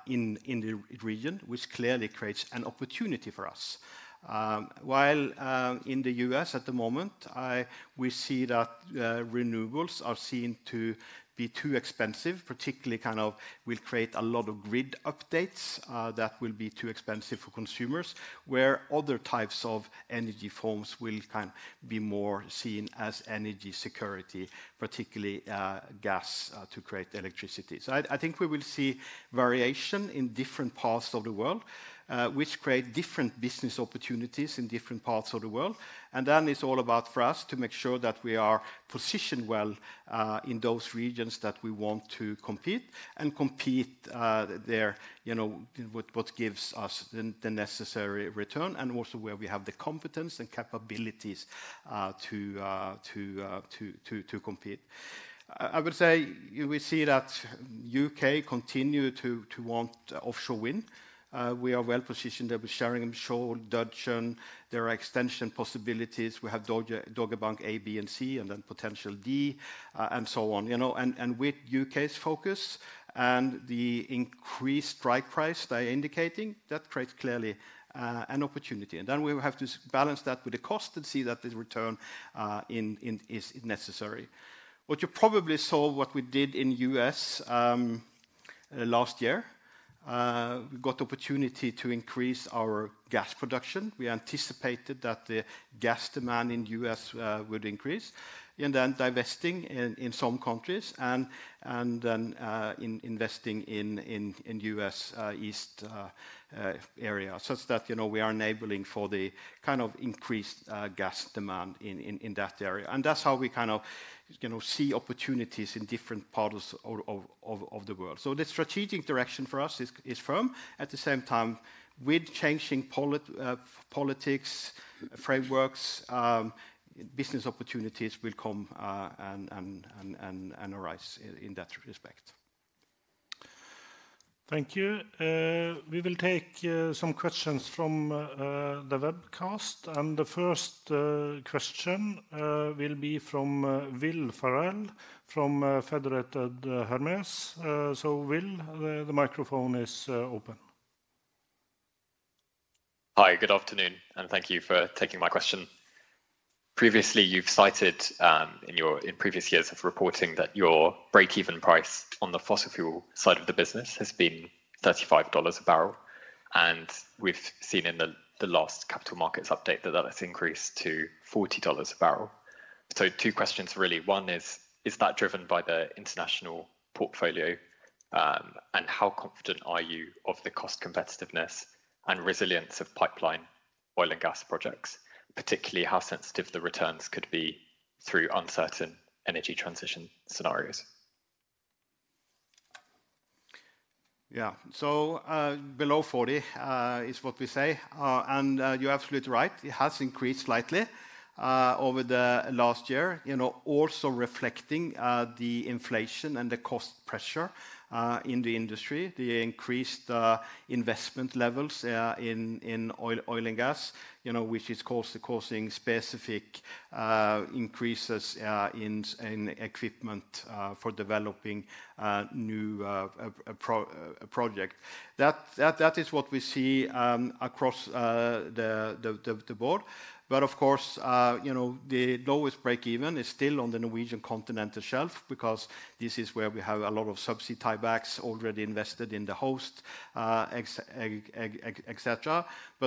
S3: in the region, which clearly creates an opportunity for us. While in the U.S. at the moment, we see that renewables are seen to be too expensive, particularly kind of will create a lot of grid updates that will be too expensive for consumers, where other types of energy forms will kind of be more seen as energy security, particularly gas to create electricity. I think we will see variation in different parts of the world, which create different business opportunities in different parts of the world. It is all about for us to make sure that we are positioned well in those regions that we want to compete and compete there, you know, what gives us the necessary return and also where we have the competence and capabilities to compete. I would say we see that the U.K. continue to want offshore wind. We are well positioned there with Sheringham Shoal, Dudgeon, there are extension possibilities. We have Dogger Bank A, B, and C, and then potential D and so on, you know, and with U.K.'s focus and the increased strike price they are indicating, that creates clearly an opportunity. We have to balance that with the cost and see that the return is necessary. What you probably saw, what we did in the U.S. last year, we got the opportunity to increase our gas production. We anticipated that the gas demand in the U.S. would increase and then divesting in some countries and then investing in the U.S. East area. It is that, you know, we are enabling for the kind of increased gas demand in that area. That is how we kind of, you know, see opportunities in different parts of the world. The strategic direction for us is firm. At the same time, with changing politics, frameworks, business opportunities will come and arise in that respect.
S2: Thank you. We will take some questions from the webcast. The first question will be from Will Farrell from Federated Hermes. Will, the microphone is open.
S9: Hi, good afternoon, and thank you for taking my question. Previously, you have cited in your previous years of reporting that your break-even price on the fossil fuel side of the business has been $35 a barrel. We have seen in the last capital markets update that that has increased to $40 a barrel. Two questions really. One is, is that driven by the international portfolio? How confident are you of the cost competitiveness and resilience of pipeline oil and gas projects, particularly how sensitive the returns could be through uncertain energy transition scenarios?
S3: Yeah, below $40 is what we say. You are absolutely right. It has increased slightly over the last year, you know, also reflecting the inflation and the cost pressure in the industry, the increased investment levels in oil and gas, you know, which is causing specific increases in equipment for developing new projects. That is what we see across the board. Of course, you know, the lowest break-even is still on the Norwegian Continental Shelf because this is where we have a lot of subsea tiebacks already invested in the host, etc.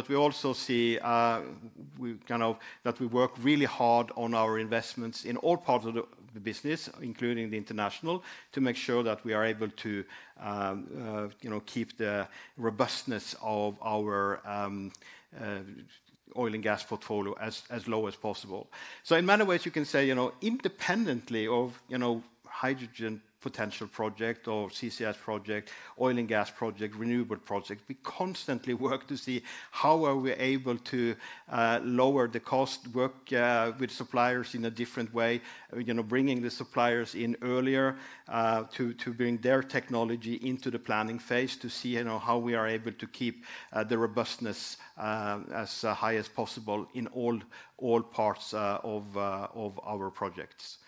S3: We also see kind of that we work really hard on our investments in all parts of the business, including the international, to make sure that we are able to, you know, keep the robustness of our oil and gas portfolio as low as possible. In many ways, you can say, you know, independently of, you know, hydrogen potential project or CCS project, oil and gas project, renewable project, we constantly work to see how are we able to lower the cost, work with suppliers in a different way, you know, bringing the suppliers in earlier to bring their technology into the planning phase to see, you know, how we are able to keep the robustness as high as possible in all parts of our projects.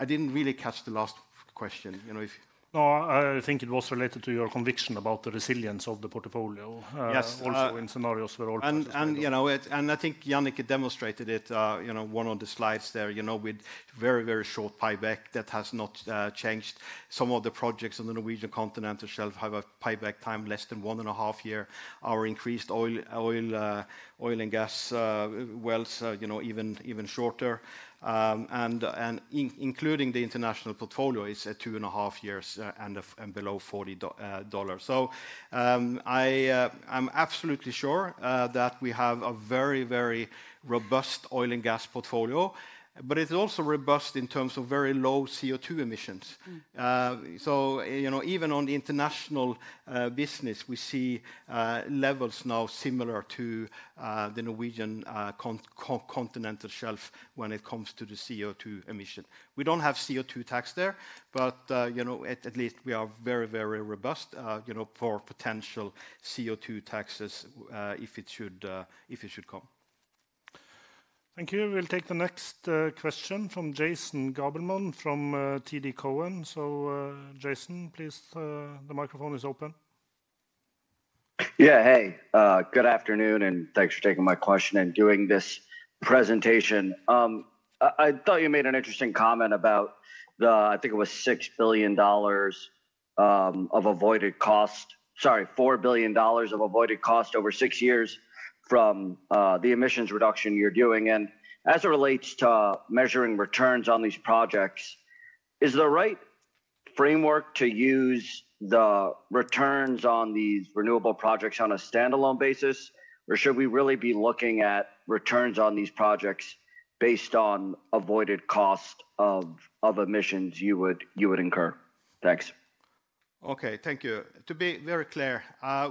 S3: I did not really catch the last question, you know.
S2: No, I think it was related to your conviction about the resilience of the portfolio. Yes. Also in scenarios for oil.
S3: You know, and I think Jannicke demonstrated it, you know, one of the slides there, you know, with very, very short payback that has not changed. Some of the projects on the Norwegian Continental Shelf have a payback time less than one and a half year. Our increased oil and gas wells, you know, even shorter. Including the international portfolio is at two and a half years and below $40. I am absolutely sure that we have a very, very robust oil and gas portfolio, but it is also robust in terms of very low CO2 emissions. You know, even on the international business, we see levels now similar to the Norwegian Continental Shelf when it comes to the CO2 emission. We do not have CO2 tax there, but, you know, at least we are very, very robust, you know, for potential CO2 taxes if it should come.
S2: Thank you. We will take the next question from Jason Gabelman from TD Cowen. Jason, please, the microphone is open.
S10: Yeah, hey, good afternoon and thanks for taking my question and doing this presentation. I thought you made an interesting comment about the, I think it was $6 billion of avoided cost, sorry, $4 billion of avoided cost over six years from the emissions reduction you're doing. As it relates to measuring returns on these projects, is the right framework to use the returns on these renewable projects on a standalone basis, or should we really be looking at returns on these projects based on avoided cost of emissions you would incur? Thanks.
S3: Okay, thank you. To be very clear,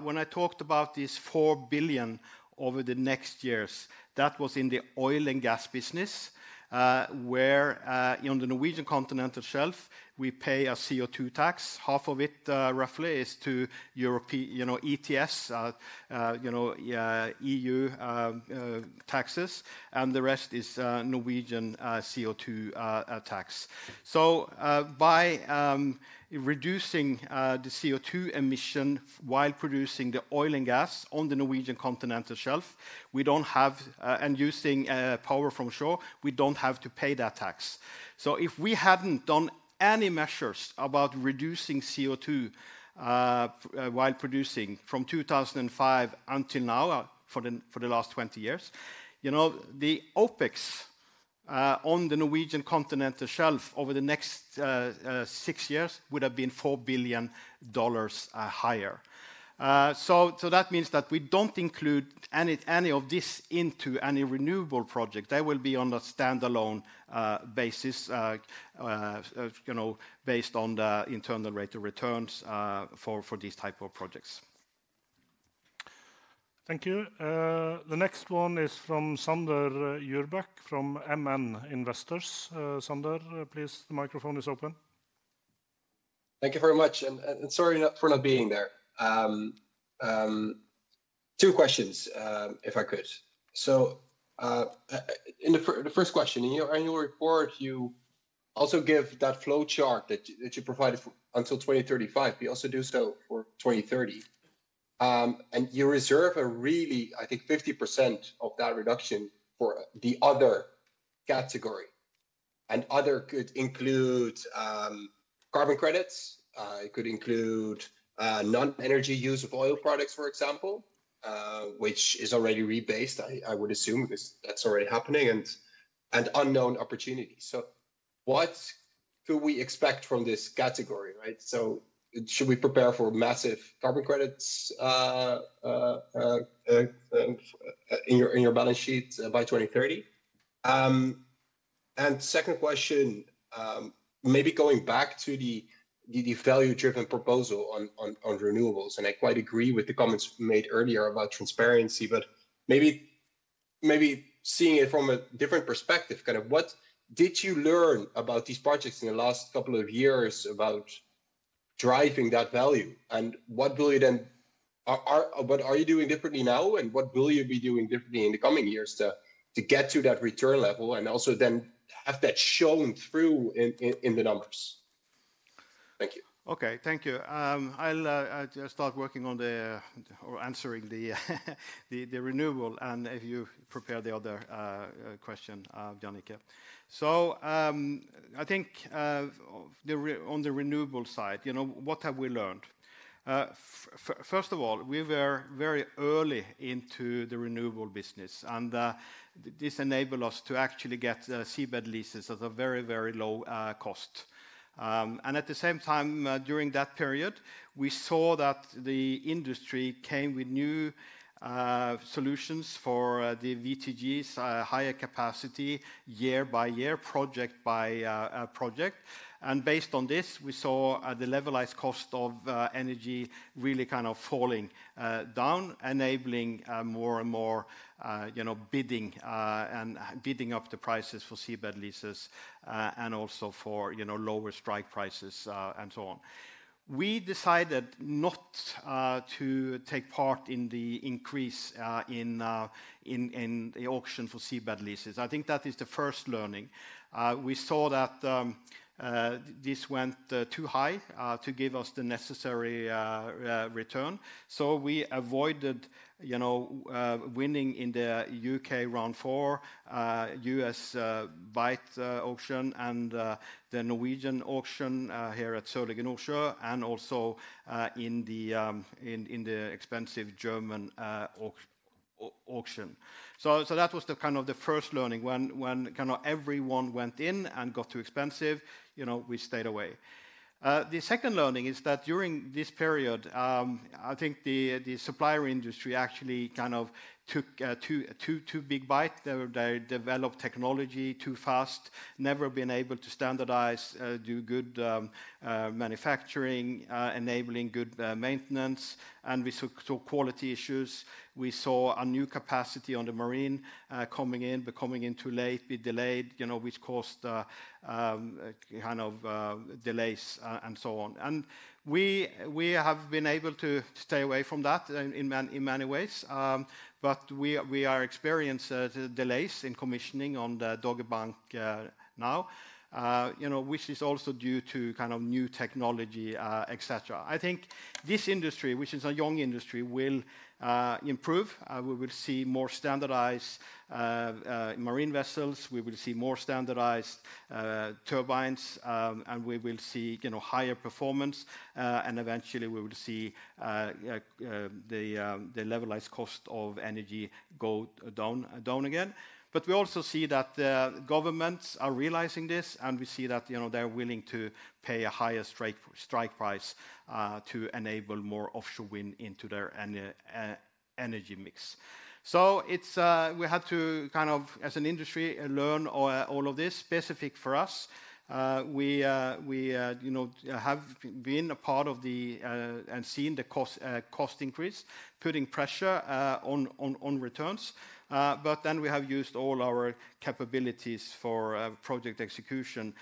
S3: when I talked about these $4 billion over the next years, that was in the oil and gas business, where on the Norwegian Continental Shelf, we pay a CO2 tax. Half of it roughly is to European, you know, ETS, you know, EU taxes, and the rest is Norwegian CO2 tax. By reducing the CO2 emission while producing the oil and gas on the Norwegian Continental Shelf, we do not have, and using power from shore, we do not have to pay that tax. If we had not done any measures about reducing CO2 while producing from 2005 until now for the last 20 years, you know, the OpEx on the Norwegian Continental Shelf over the next six years would have been $4 billion higher. That means that we do not include any of this into any renewable project. They will be on a standalone basis, you know, based on the internal rate of returns for these types of projects.
S2: Thank you. The next one is from Xander Urbach from MN Investors. Xander, please, the microphone is open.
S11: Thank you very much. Sorry for not being there. Two questions, if I could. In the first question, in your annual report, you also give that flow chart that you provided until 2035. You also do so for 2030. You reserve a really, I think, 50% of that reduction for the other category. Other could include carbon credits. It could include non-energy use of oil products, for example, which is already rebased, I would assume, because that is already happening and unknown opportunities. What do we expect from this category, right? Should we prepare for massive carbon credits in your balance sheet by 2030? Second question, maybe going back to the value-driven proposal on renewables. I quite agree with the comments made earlier about transparency, but maybe seeing it from a different perspective, kind of what did you learn about these projects in the last couple of years about driving that value? What are you doing differently now, and what will you be doing differently in the coming years to get to that return level and also then have that shown through in the numbers? Thank you.
S3: Thank you. I'll start working on or answering the renewable, and if you prepare the other question, Jannicke. I think on the renewable side, you know, what have we learned? First of all, we were very early into the renewable business, and this enabled us to actually get seabed leases at a very, very low cost. At the same time, during that period, we saw that the industry came with new solutions for the VTGs, higher capacity year by year, project by project. Based on this, we saw the levelized cost of energy really kind of falling down, enabling more and more, you know, bidding and bidding up the prices for seabed leases and also for, you know, lower strike prices and so on. We decided not to take part in the increase in the auction for seabed leases. I think that is the first learning. We saw that this went too high to give us the necessary return. We avoided, you know, winning in the U.K. Round 4, U.S. Byte auction and the Norwegian auction here at Sørlige Nordsjø and also in the expensive German auction. That was the kind of the first learning. When kind of everyone went in and got too expensive, you know, we stayed away. The second learning is that during this period, I think the supplier industry actually kind of took too big bite. They developed technology too fast, never been able to standardize, do good manufacturing, enabling good maintenance, and we saw quality issues. We saw a new capacity on the marine coming in, becoming in too late, be delayed, you know, which caused kind of delays and so on. We have been able to stay away from that in many ways, but we are experiencing delays in commissioning on the Dogger Bank now, you know, which is also due to kind of new technology, etc. I think this industry, which is a young industry, will improve. We will see more standardized marine vessels. We will see more standardized turbines, and we will see, you know, higher performance. Eventually, we will see the levelized cost of energy go down again. We also see that governments are realizing this, and we see that, you know, they're willing to pay a higher strike price to enable more offshore wind into their energy mix. We had to kind of, as an industry, learn all of this specific for us. We, you know, have been a part of the and seen the cost increase, putting pressure on returns. We have used all our capabilities for project execution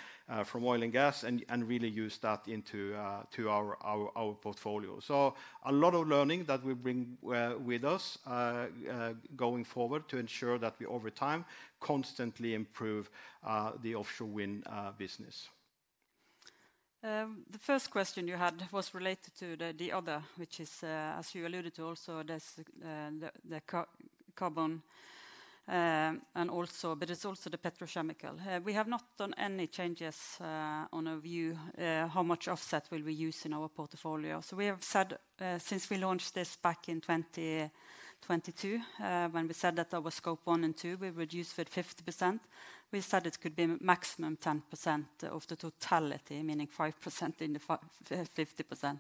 S3: from oil and gas and really used that into our portfolio. A lot of learning that we bring with us going forward to ensure that we over time constantly improve the offshore wind business.
S4: The first question you had was related to the other, which is, as you alluded to, also the carbon and also, but it's also the petrochemical. We have not done any changes on a view how much offset will we use in our portfolio. We have said since we launched this back in 2022, when we said that our Scope 1 and 2, we reduced with 50%. We said it could be maximum 10% of the totality, meaning 5% in the 50%.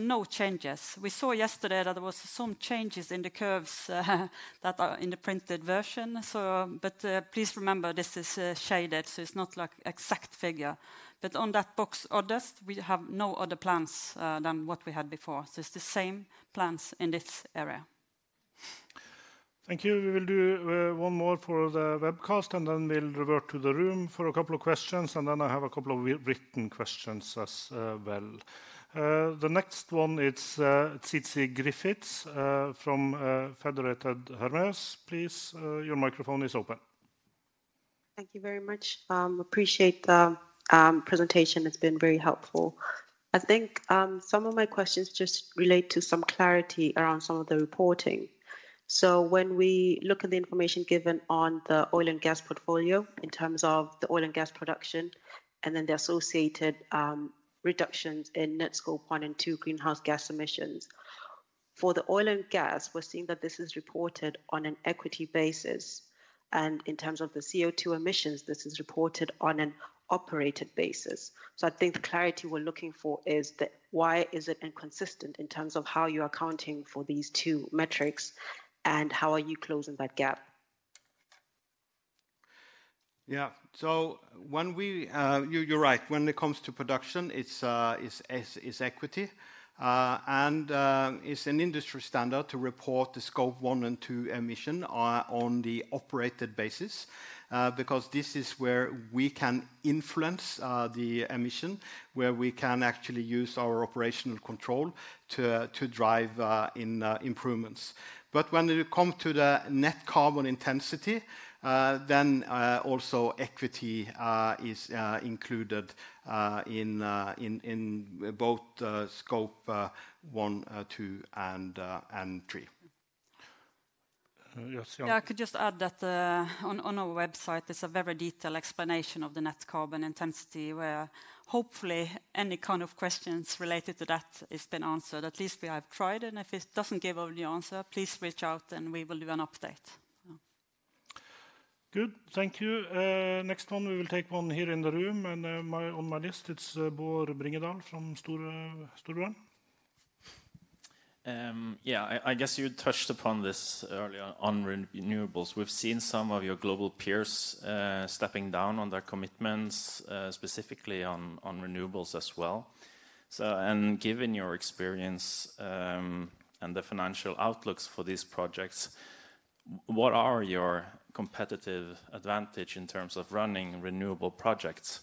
S4: No changes. We saw yesterday that there were some changes in the curves that are in the printed version. Please remember this is shaded, so it's not like an exact figure. On that box orders, we have no other plans than what we had before. It is the same plans in this area.
S2: Thank you. We will do one more for the webcast, and then we'll revert to the room for a couple of questions, and then I have a couple of written questions as well. The next one is Tsitsi Griffiths from Federated Hermes. Please, your microphone is open.
S12: Thank you very much. I appreciate the presentation. It's been very helpful. I think some of my questions just relate to some clarity around some of the reporting. When we look at the information given on the oil and gas portfolio in terms of the oil and gas production and then the associated reductions in net Scope 1 and 2 greenhouse gas emissions, for the oil and gas, we're seeing that this is reported on an equity basis. In terms of the CO2 emissions, this is reported on an operated basis. I think the clarity we're looking for is that why is it inconsistent in terms of how you are accounting for these two metrics and how are you closing that gap?
S3: Yeah, when we, you're right, when it comes to production, it's equity. It's an industry standard to report the Scope 1 and 2 emission on the operated basis because this is where we can influence the emission, where we can actually use our operational control to drive improvements. When it comes to the net carbon intensity, then also equity is included in both Scope 1, 2, and 3.
S4: I could just add that on our website, there's a very detailed explanation of the net carbon intensity where hopefully any kind of questions related to that have been answered. At least we have tried, and if it does not give you the answer, please reach out and we will do an update.
S2: Good, thank you. Next one, we will take one here in the room, and on my list, it is Bård Bringedal from Storebrand.
S13: Yeah, I guess you touched upon this earlier on renewables. We have seen some of your global peers stepping down on their commitments, specifically on renewables as well. Given your experience and the financial outlooks for these projects, what are your competitive advantages in terms of running renewable projects?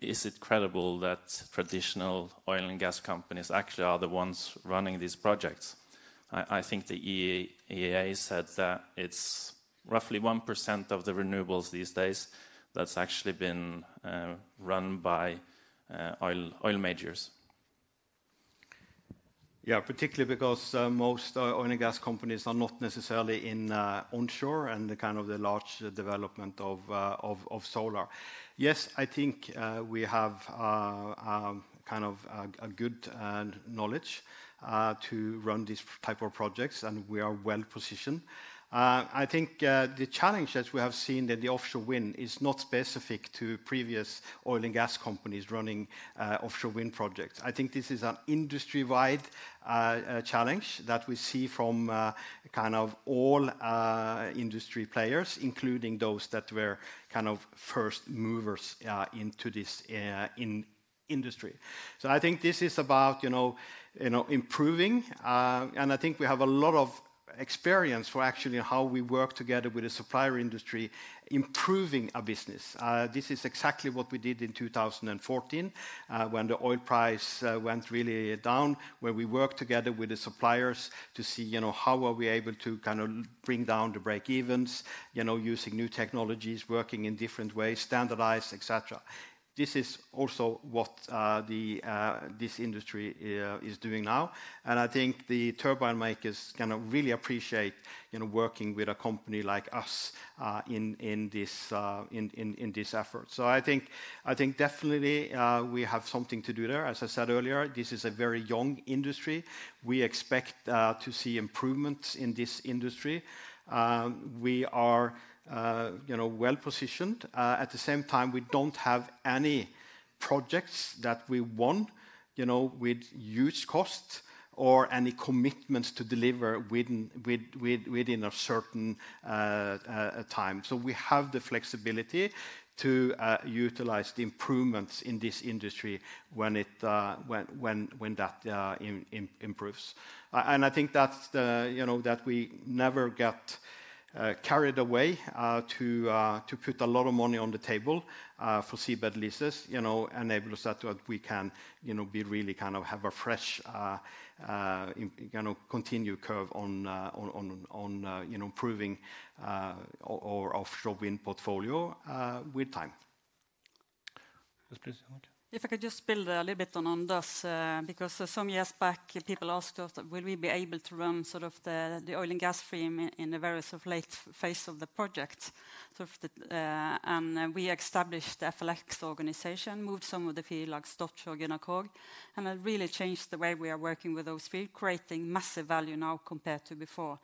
S13: Is it credible that traditional oil and gas companies actually are the ones running these projects? I think the IEA said that it is roughly 1% of the renewables these days that is actually being run by oil majors.
S3: Yeah, particularly because most oil and gas companies are not necessarily in onshore and the kind of the large development of solar. Yes, I think we have kind of a good knowledge to run these types of projects, and we are well positioned. I think the challenge that we have seen in the offshore wind is not specific to previous oil and gas companies running offshore wind projects. I think this is an industry-wide challenge that we see from kind of all industry players, including those that were kind of first movers into this industry. I think this is about, you know, improving, and I think we have a lot of experience for actually how we work together with the supplier industry, improving our business. This is exactly what we did in 2014 when the oil price went really down, where we worked together with the suppliers to see, you know, how are we able to kind of bring down the breakevens, you know, using new technologies, working in different ways, standardized, etc. This is also what this industry is doing now. I think the turbine makers kind of really appreciate, you know, working with a company like us in this effort. I think definitely we have something to do there. As I said earlier, this is a very young industry. We expect to see improvements in this industry. We are, you know, well positioned. At the same time, we do not have any projects that we want, you know, with huge costs or any commitments to deliver within a certain time. We have the flexibility to utilize the improvements in this industry when that improves. I think that is, you know, that we never get carried away to put a lot of money on the table for seabed leases, you know, enables us that we can, you know, be really kind of have a fresh, you know, continue curve on, you know, improving our offshore wind portfolio with time.
S4: If I could just build a little bit on Anders' because some years back, people asked us, will we be able to run sort of the oil and gas stream in the various late phase of the project? We established the FLX organization, moved some of the fields like Statfjord or Gina Krog, and it really changed the way we are working with those fields, creating massive value now compared to before.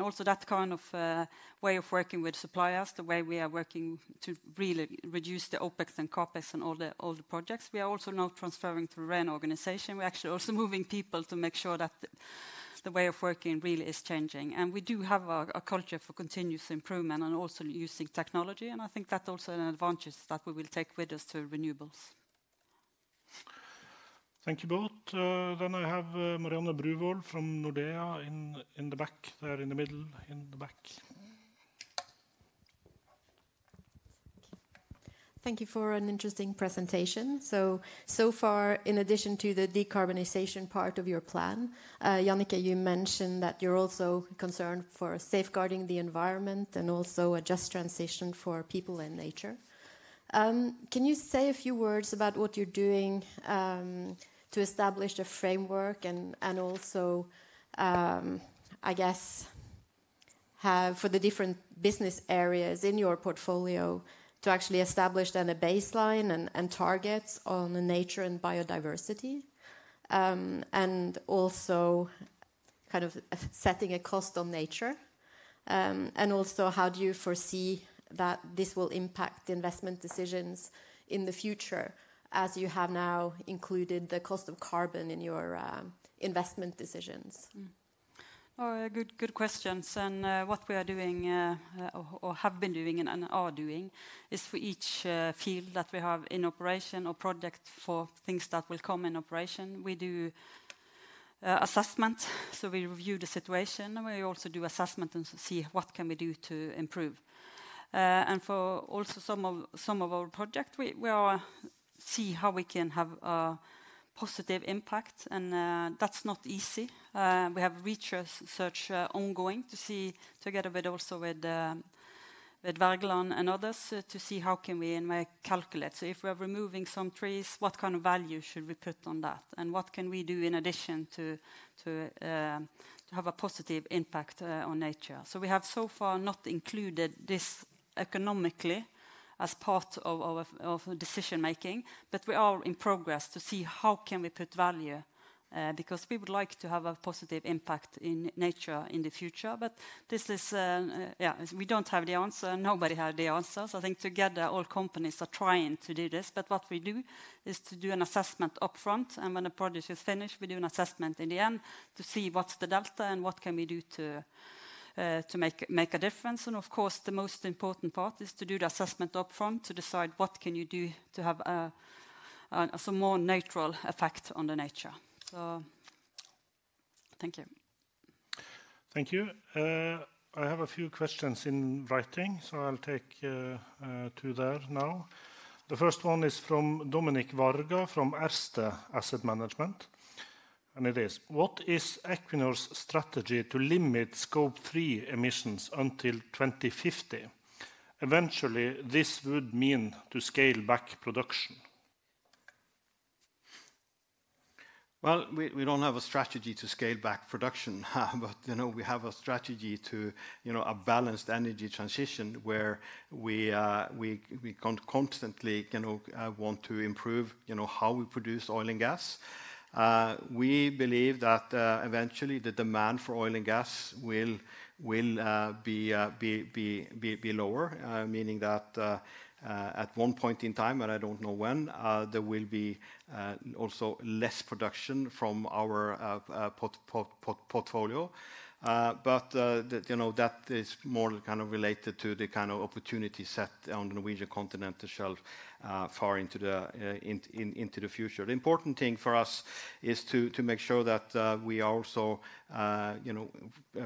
S4: Also, that kind of way of working with suppliers, the way we are working to really reduce the OpEx and CapEx in all the projects, we are also now transferring to the REN organization. We are actually also moving people to make sure that the way of working really is changing. We do have a culture for continuous improvement and also using technology. I think that's also an advantage that we will take with us to renewables.
S2: Thank you both. I have Marianne Bruvoll from Nordea in the back there, in the middle, in the back.
S14: Thank you for an interesting presentation. So far, in addition to the decarbonization part of your plan, Jannicke, you mentioned that you're also concerned for safeguarding the environment and also a just transition for people and nature. Can you say a few words about what you're doing to establish a framework and also, I guess, have for the different business areas in your portfolio to actually establish then a baseline and targets on nature and biodiversity and also kind of setting a cost on nature? Also, how do you foresee that this will impact investment decisions in the future as you have now included the cost of carbon in your investment decisions?
S4: Good questions. What we are doing or have been doing and are doing is for each field that we have in operation or project for things that will come in operation, we do assessments. We review the situation and we also do assessments and see what we can do to improve. For also some of our projects, we see how we can have a positive impact. That's not easy. We have research ongoing to see together with also with Vårgrønn and others to see how can we calculate. If we are removing some trees, what kind of value should we put on that? What can we do in addition to have a positive impact on nature? We have so far not included this economically as part of our decision making, but we are in progress to see how can we put value because we would like to have a positive impact in nature in the future. This is, yeah, we don't have the answer. Nobody has the answers. I think together all companies are trying to do this. What we do is to do an assessment upfront. When the project is finished, we do an assessment in the end to see what's the delta and what can we do to make a difference. Of course, the most important part is to do the assessment upfront to decide what can you do to have a more natural effect on nature. Thank you.
S2: Thank you. I have a few questions in writing, so I'll take two there now. The first one is from Dominik Varga from Erste Asset Management. It is, what is Equinor's strategy to limit Scope 3 emissions until 2050? Eventually, this would mean to scale back production.
S3: We don't have a strategy to scale back production, but we have a strategy to a balanced energy transition where we constantly want to improve how we produce oil and gas. We believe that eventually the demand for oil and gas will be lower, meaning that at one point in time, and I don't know when, there will be also less production from our portfolio. That is more kind of related to the kind of opportunity set on the Norwegian Continental Shelf far into the future. The important thing for us is to make sure that we are also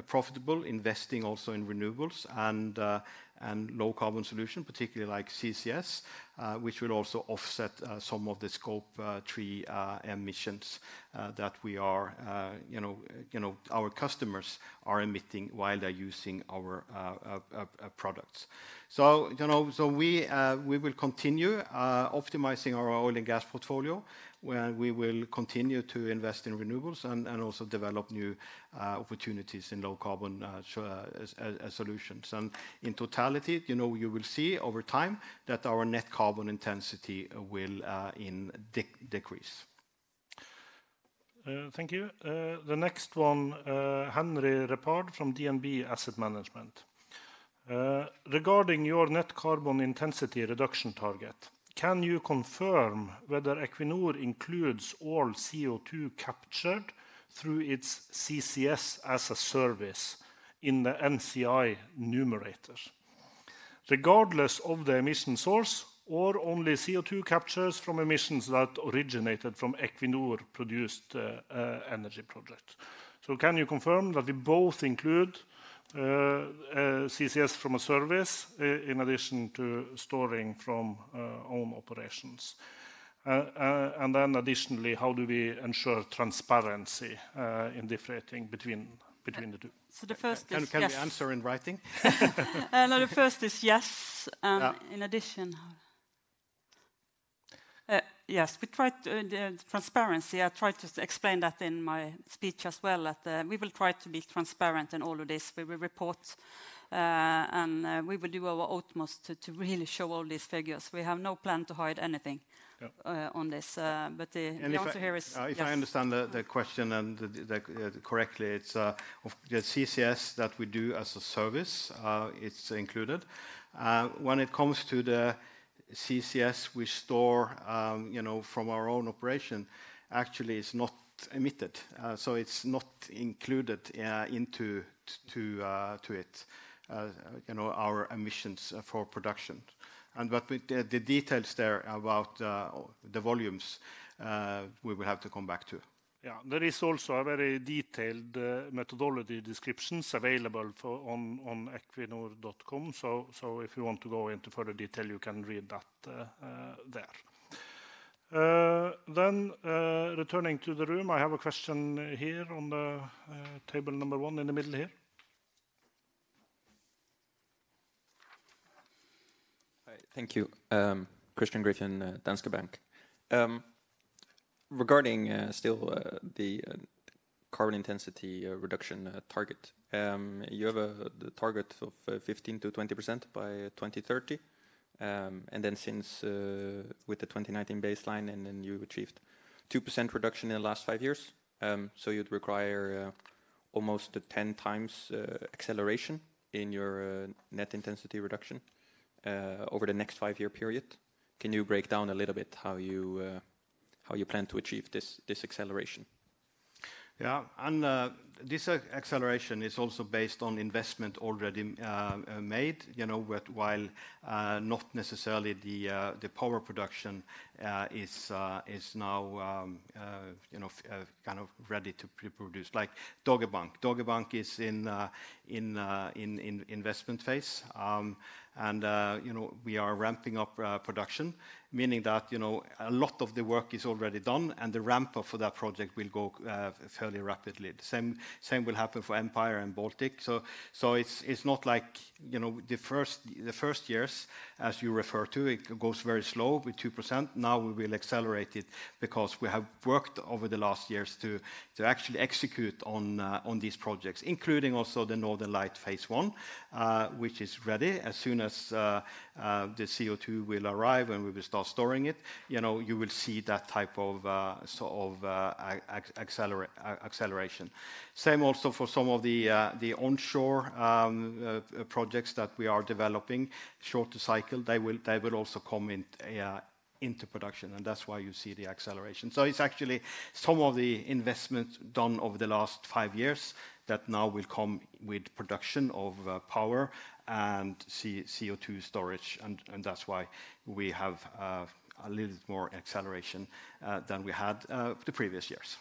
S3: profitable, investing also in renewables and low carbon solution, particularly like CCS, which will also offset some of the Scope 3 emissions that our customers are emitting while they're using our products. We will continue optimizing our oil and gas portfolio and we will continue to invest in renewables and also develop new opportunities in low carbon solutions. In totality, you will see over time that our net carbon intensity will decrease.
S2: Thank you. The next one, Henry Repard from DNB Asset Management. Regarding your net carbon intensity reduction target, can you confirm whether Equinor includes all CO2 captured through its CCS-as-a-service in the NCI numerator? Regardless of the emission source, or only CO2 captures from emissions that originated from Equinor-produced energy project. Can you confirm that we both include CCS from a service in addition to storing from own operations? Additionally, how do we ensure transparency in differentiating between the two?
S4: The first is...
S3: Can we answer in writing?
S4: The first is yes. In addition, yes, we tried transparency. I tried to explain that in my speech as well, that we will try to be transparent in all of this. We will report and we will do our utmost to really show all these figures. We have no plan to hide anything on this. The answer here is yes.
S3: If I understand the question correctly, it's the CCS that we do as a service, it's included. When it comes to the CCS we store from our own operation, actually it's not emitted. So it's not included into it, our emissions for production. The details there about the volumes, we will have to come back to.
S2: Yeah, there is also a very detailed methodology descriptions available on equinor.com. If you want to go into further detail, you can read that there. Returning to the room, I have a question here on the table number one in the middle here.
S15: Thank you. Christiaan Griffejoen, Danske Bank. Regarding still the carbon intensity reduction target, you have a target of 15%-20% by 2030. Since with the 2019 baseline, and then you achieved 2% reduction in the last five years. You'd require almost 10 times acceleration in your net intensity reduction over the next five-year period. Can you break down a little bit how you plan to achieve this acceleration?
S3: Yeah, and this acceleration is also based on investment already made, while not necessarily the power production is now kind of ready to produce like Dogger Bank. Dogger Bank is in investment phase. We are ramping up production, meaning that a lot of the work is already done and the ramp-up for that project will go fairly rapidly. The same will happen for Empire and Bałtyk. It is not like the first years, as you refer to, it goes very slow with 2%. Now we will accelerate it because we have worked over the last years to actually execute on these projects, including also the Northern Lights phase I, which is ready as soon as the CO2 will arrive and we will start storing it. You will see that type of acceleration. Same also for some of the onshore projects that we are developing, short cycle, they will also come into production. That is why you see the acceleration. It is actually some of the investment done over the last five years that now will come with production of power and CO2 storage. That is why we have a little bit more acceleration than we had the previous years.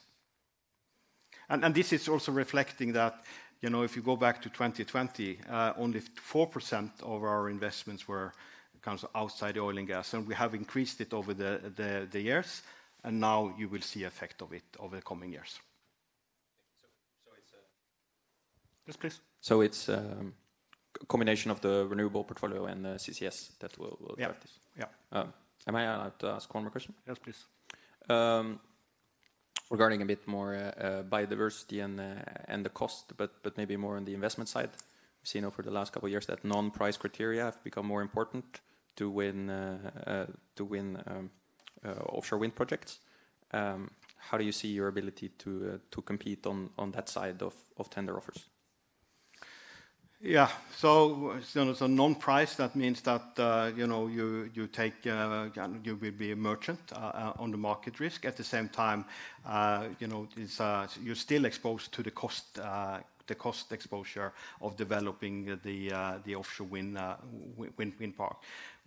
S3: This is also reflecting that if you go back to 2020, only 4% of our investments were kind of outside oil and gas. We have increased it over the years. Now you will see the effect of it over the coming years.
S15: It is a combination of the renewable portfolio and the CCS that will affect this. Am I allowed to ask one more question?
S3: Yes, please.
S15: Regarding a bit more biodiversity and the cost, but maybe more on the investment side, we have seen over the last couple of years that non-price criteria have become more important to win offshore wind projects. How do you see your ability to compete on that side of tender offers?
S3: Yeah, so non-price, that means that you take a merchant on the market risk. At the same time, you are still exposed to the cost exposure of developing the offshore wind park.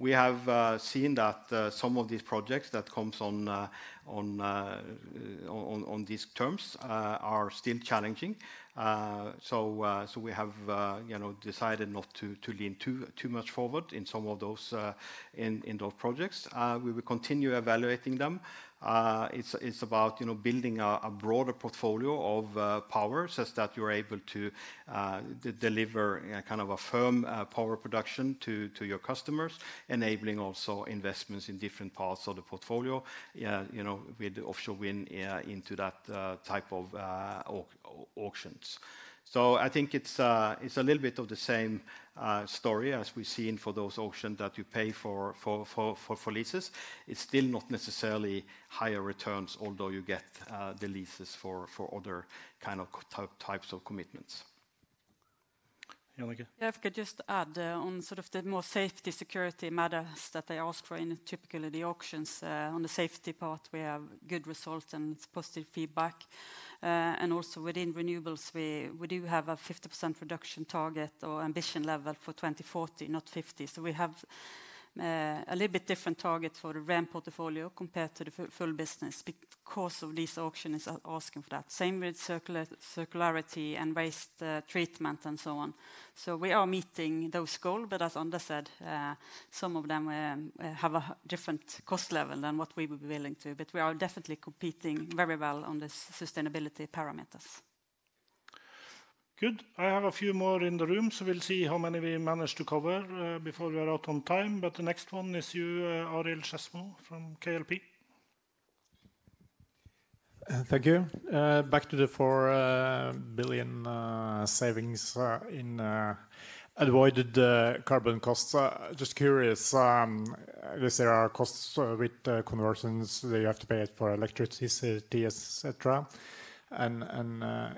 S3: We have seen that some of these projects that come on these terms are still challenging. We have decided not to lean too much forward in some of those projects. We will continue evaluating them. It's about building a broader portfolio of power such that you're able to deliver kind of a firm power production to your customers, enabling also investments in different parts of the portfolio with the offshore wind into that type of auctions. I think it's a little bit of the same story as we've seen for those auctions that you pay for leases. It's still not necessarily higher returns, although you get the leases for other kind of types of commitments.
S4: I could just add on sort of the more safety security matters that they ask for in typically the auctions. On the safety part, we have good results and positive feedback. Also within renewables, we do have a 50% reduction target or ambition level for 2040, not 2050. We have a little bit different target for the REN portfolio compared to the full business because of these auctions asking for that. Same with circularity and waste treatment and so on. We are meeting those goals, but as Anders said, some of them have a different cost level than what we would be willing to. We are definitely competing very well on the sustainability parameters.
S2: Good. I have a few more in the room, so we'll see how many we manage to cover before we are out on time. The next one is you, Arild Skedsmo from KLP.
S16: Thank you. Back to the $4 billion savings in avoided carbon costs. Just curious, I guess there are costs with conversions that you have to pay for electricity, etc.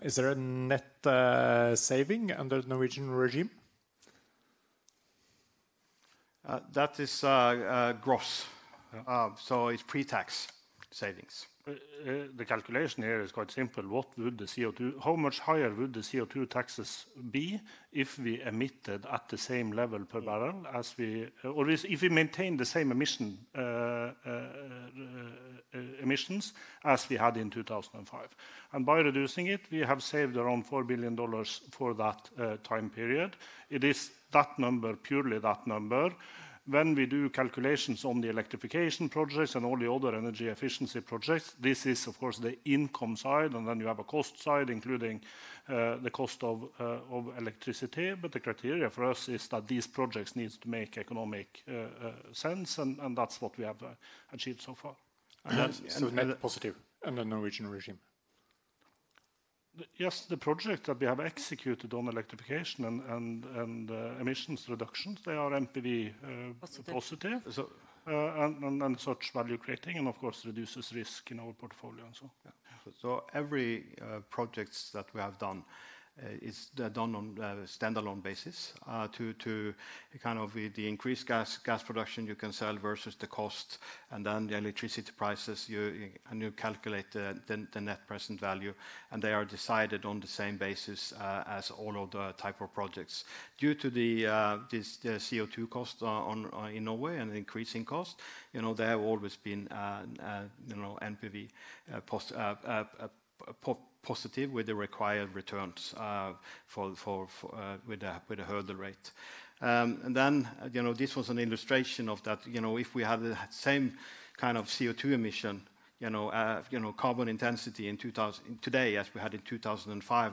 S16: Is there a net saving under the Norwegian regime?
S3: That is gross. It is pre-tax savings.
S2: The calculation here is quite simple. How much higher would the CO2 taxes be if we emitted at the same level per barrel as we, or if we maintain the same emissions as we had in 2005? By reducing it, we have saved around $4 billion for that time period. It is that number, purely that number. When we do calculations on the electrification projects and all the other energy efficiency projects, this is of course the income side. You have a cost side, including the cost of electricity. The criteria for us is that these projects need to make economic sense. That is what we have achieved so far.
S6: The net positive under the Norwegian regime?
S2: Yes, the project that we have executed on electrification and emissions reductions, they are NPV positive and such value creating and of course reduces risk in our portfolio and so on.
S3: Every project that we have done is done on a standalone basis to kind of the increased gas production you can sell versus the cost and then the electricity prices, and you calculate the net present value. They are decided on the same basis as all other types of projects. Due to the CO2 cost in Norway and increasing cost, they have always been NPV positive with the required returns with a hurdle rate. This was an illustration of that. If we had the same kind of CO2 emission, carbon intensity in today as we had in 2005,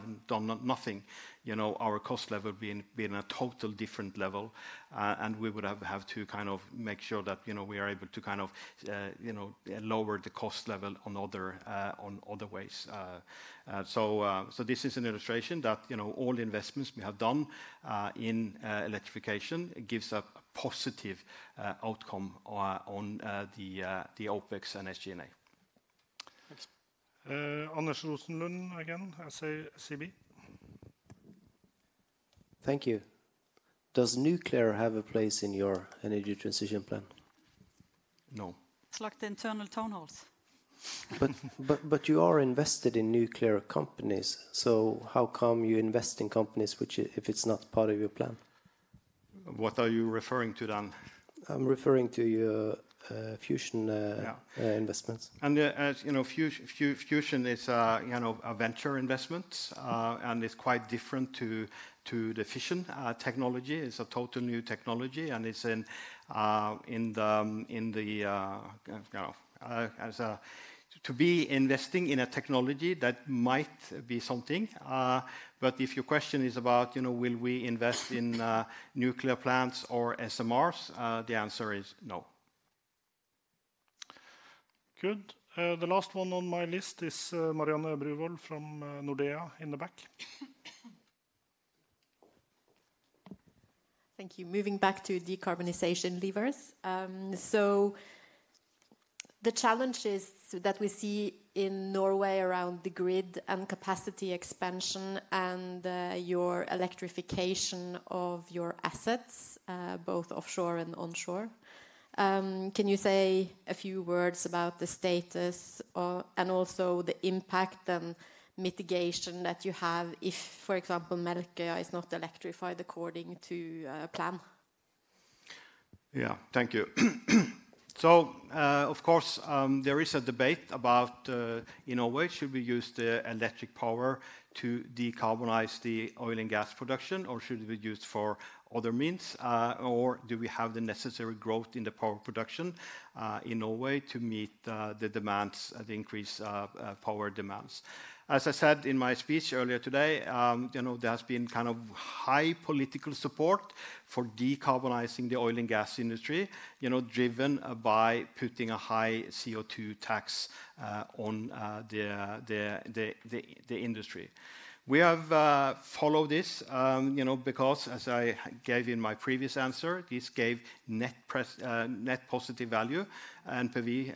S3: nothing, our cost level would have been a total different level. We would have to kind of make sure that we are able to kind of lower the cost level on other ways. This is an illustration that all the investments we have done in electrification gives a positive outcome on the OpEx and SG&A.
S2: Anders Rosenlund again, SEB.
S7: Thank you. Does nuclear have a place in your energy transition plan?
S3: No.
S4: It's like the internal townhalls.
S7: You are invested in nuclear companies. How come you invest in companies if it's not part of your plan?
S3: What are you referring to then?
S7: I'm referring to your fusion investments.
S3: Fusion is a venture investment. It's quite different to the fission technology. It's a total new technology. It's in the kind of to be investing in a technology that might be something. If your question is about will we invest in nuclear plants or SMRs, the answer is no.
S2: Good. The last one on my list is Marianne Bruvoll from Nordea in the back. Thank you. Moving back to decarbonization levers. The challenges that we see in Norway around the grid and capacity expansion and your electrification of your assets, both offshore and onshore. Can you say a few words about the status and also the impact and mitigation that you have if, for example, Melkøya is not electrified according to plan?
S3: Yeah, thank you. Of course, there is a debate about in Norway, should we use the electric power to decarbonize the oil and gas production, or should we use it for other means, or do we have the necessary growth in the power production in Norway to meet the demands, the increased power demands. As I said in my speech earlier today, there has been kind of high political support for decarbonizing the oil and gas industry, driven by putting a high CO2 tax on the industry. We have followed this because, as I gave in my previous answer, this gave net positive value, NPV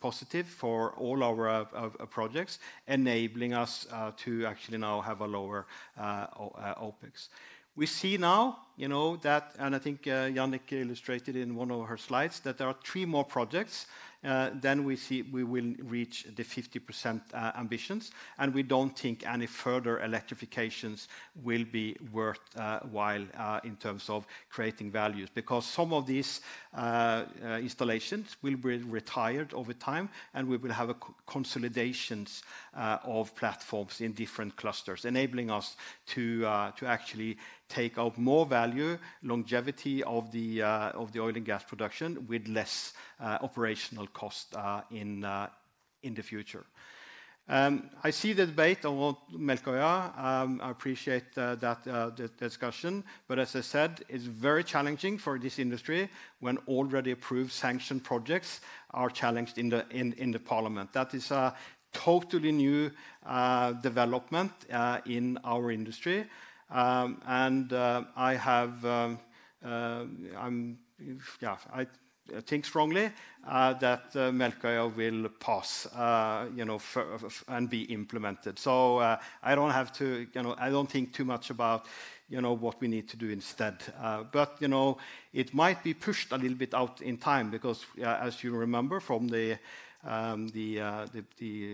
S3: positive for all our projects, enabling us to actually now have a lower OpEx. We see now that, and I think Jannicke illustrated in one of her slides, that there are three more projects. We will reach the 50% ambitions. We do not think any further electrifications will be worthwhile in terms of creating values because some of these installations will be retired over time. We will have consolidations of platforms in different clusters, enabling us to actually take out more value, longevity of the oil and gas production with less operational cost in the future. I see the debate on Melkøya. I appreciate that discussion. As I said, it's very challenging for this industry when already approved sanctioned projects are challenged in the Parliament. That is a totally new development in our industry. I think strongly that Melkøya will pass and be implemented. I don't have to, I don't think too much about what we need to do instead. It might be pushed a little bit out in time because, as you remember from the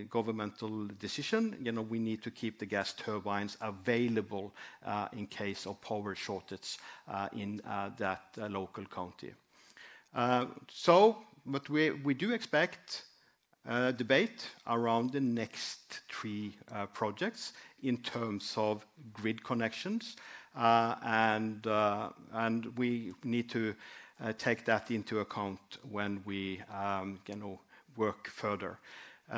S3: governmental decision, we need to keep the gas turbines available in case of power shortages in that local county. We do expect debate around the next three projects in terms of grid connections. We need to take that into account when we work further.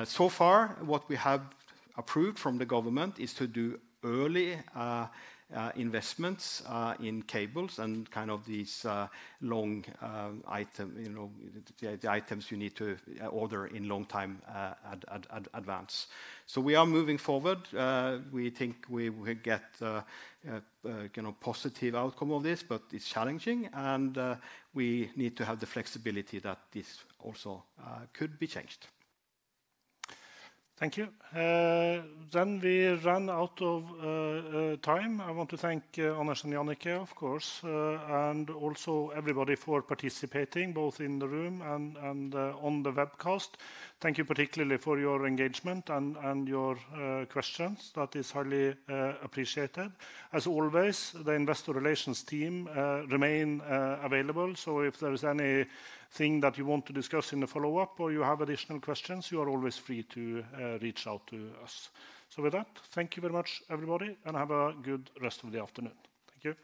S3: So far, what we have approved from the government is to do early investments in cables and kind of these long items, the items you need to order in long time advance. We are moving forward. We think we will get a positive outcome of this, but it's challenging. We need to have the flexibility that this also could be changed.
S2: Thank you. We run out of time. I want to thank Anders and Jannicke, of course, and also everybody for participating both in the room and on the webcast. Thank you particularly for your engagement and your questions. That is highly appreciated. As always, the investor relations team remain available. If there is anything that you want to discuss in the follow-up or you have additional questions, you are always free to reach out to us. Thank you very much, everybody, and have a good rest of the afternoon. Thank you.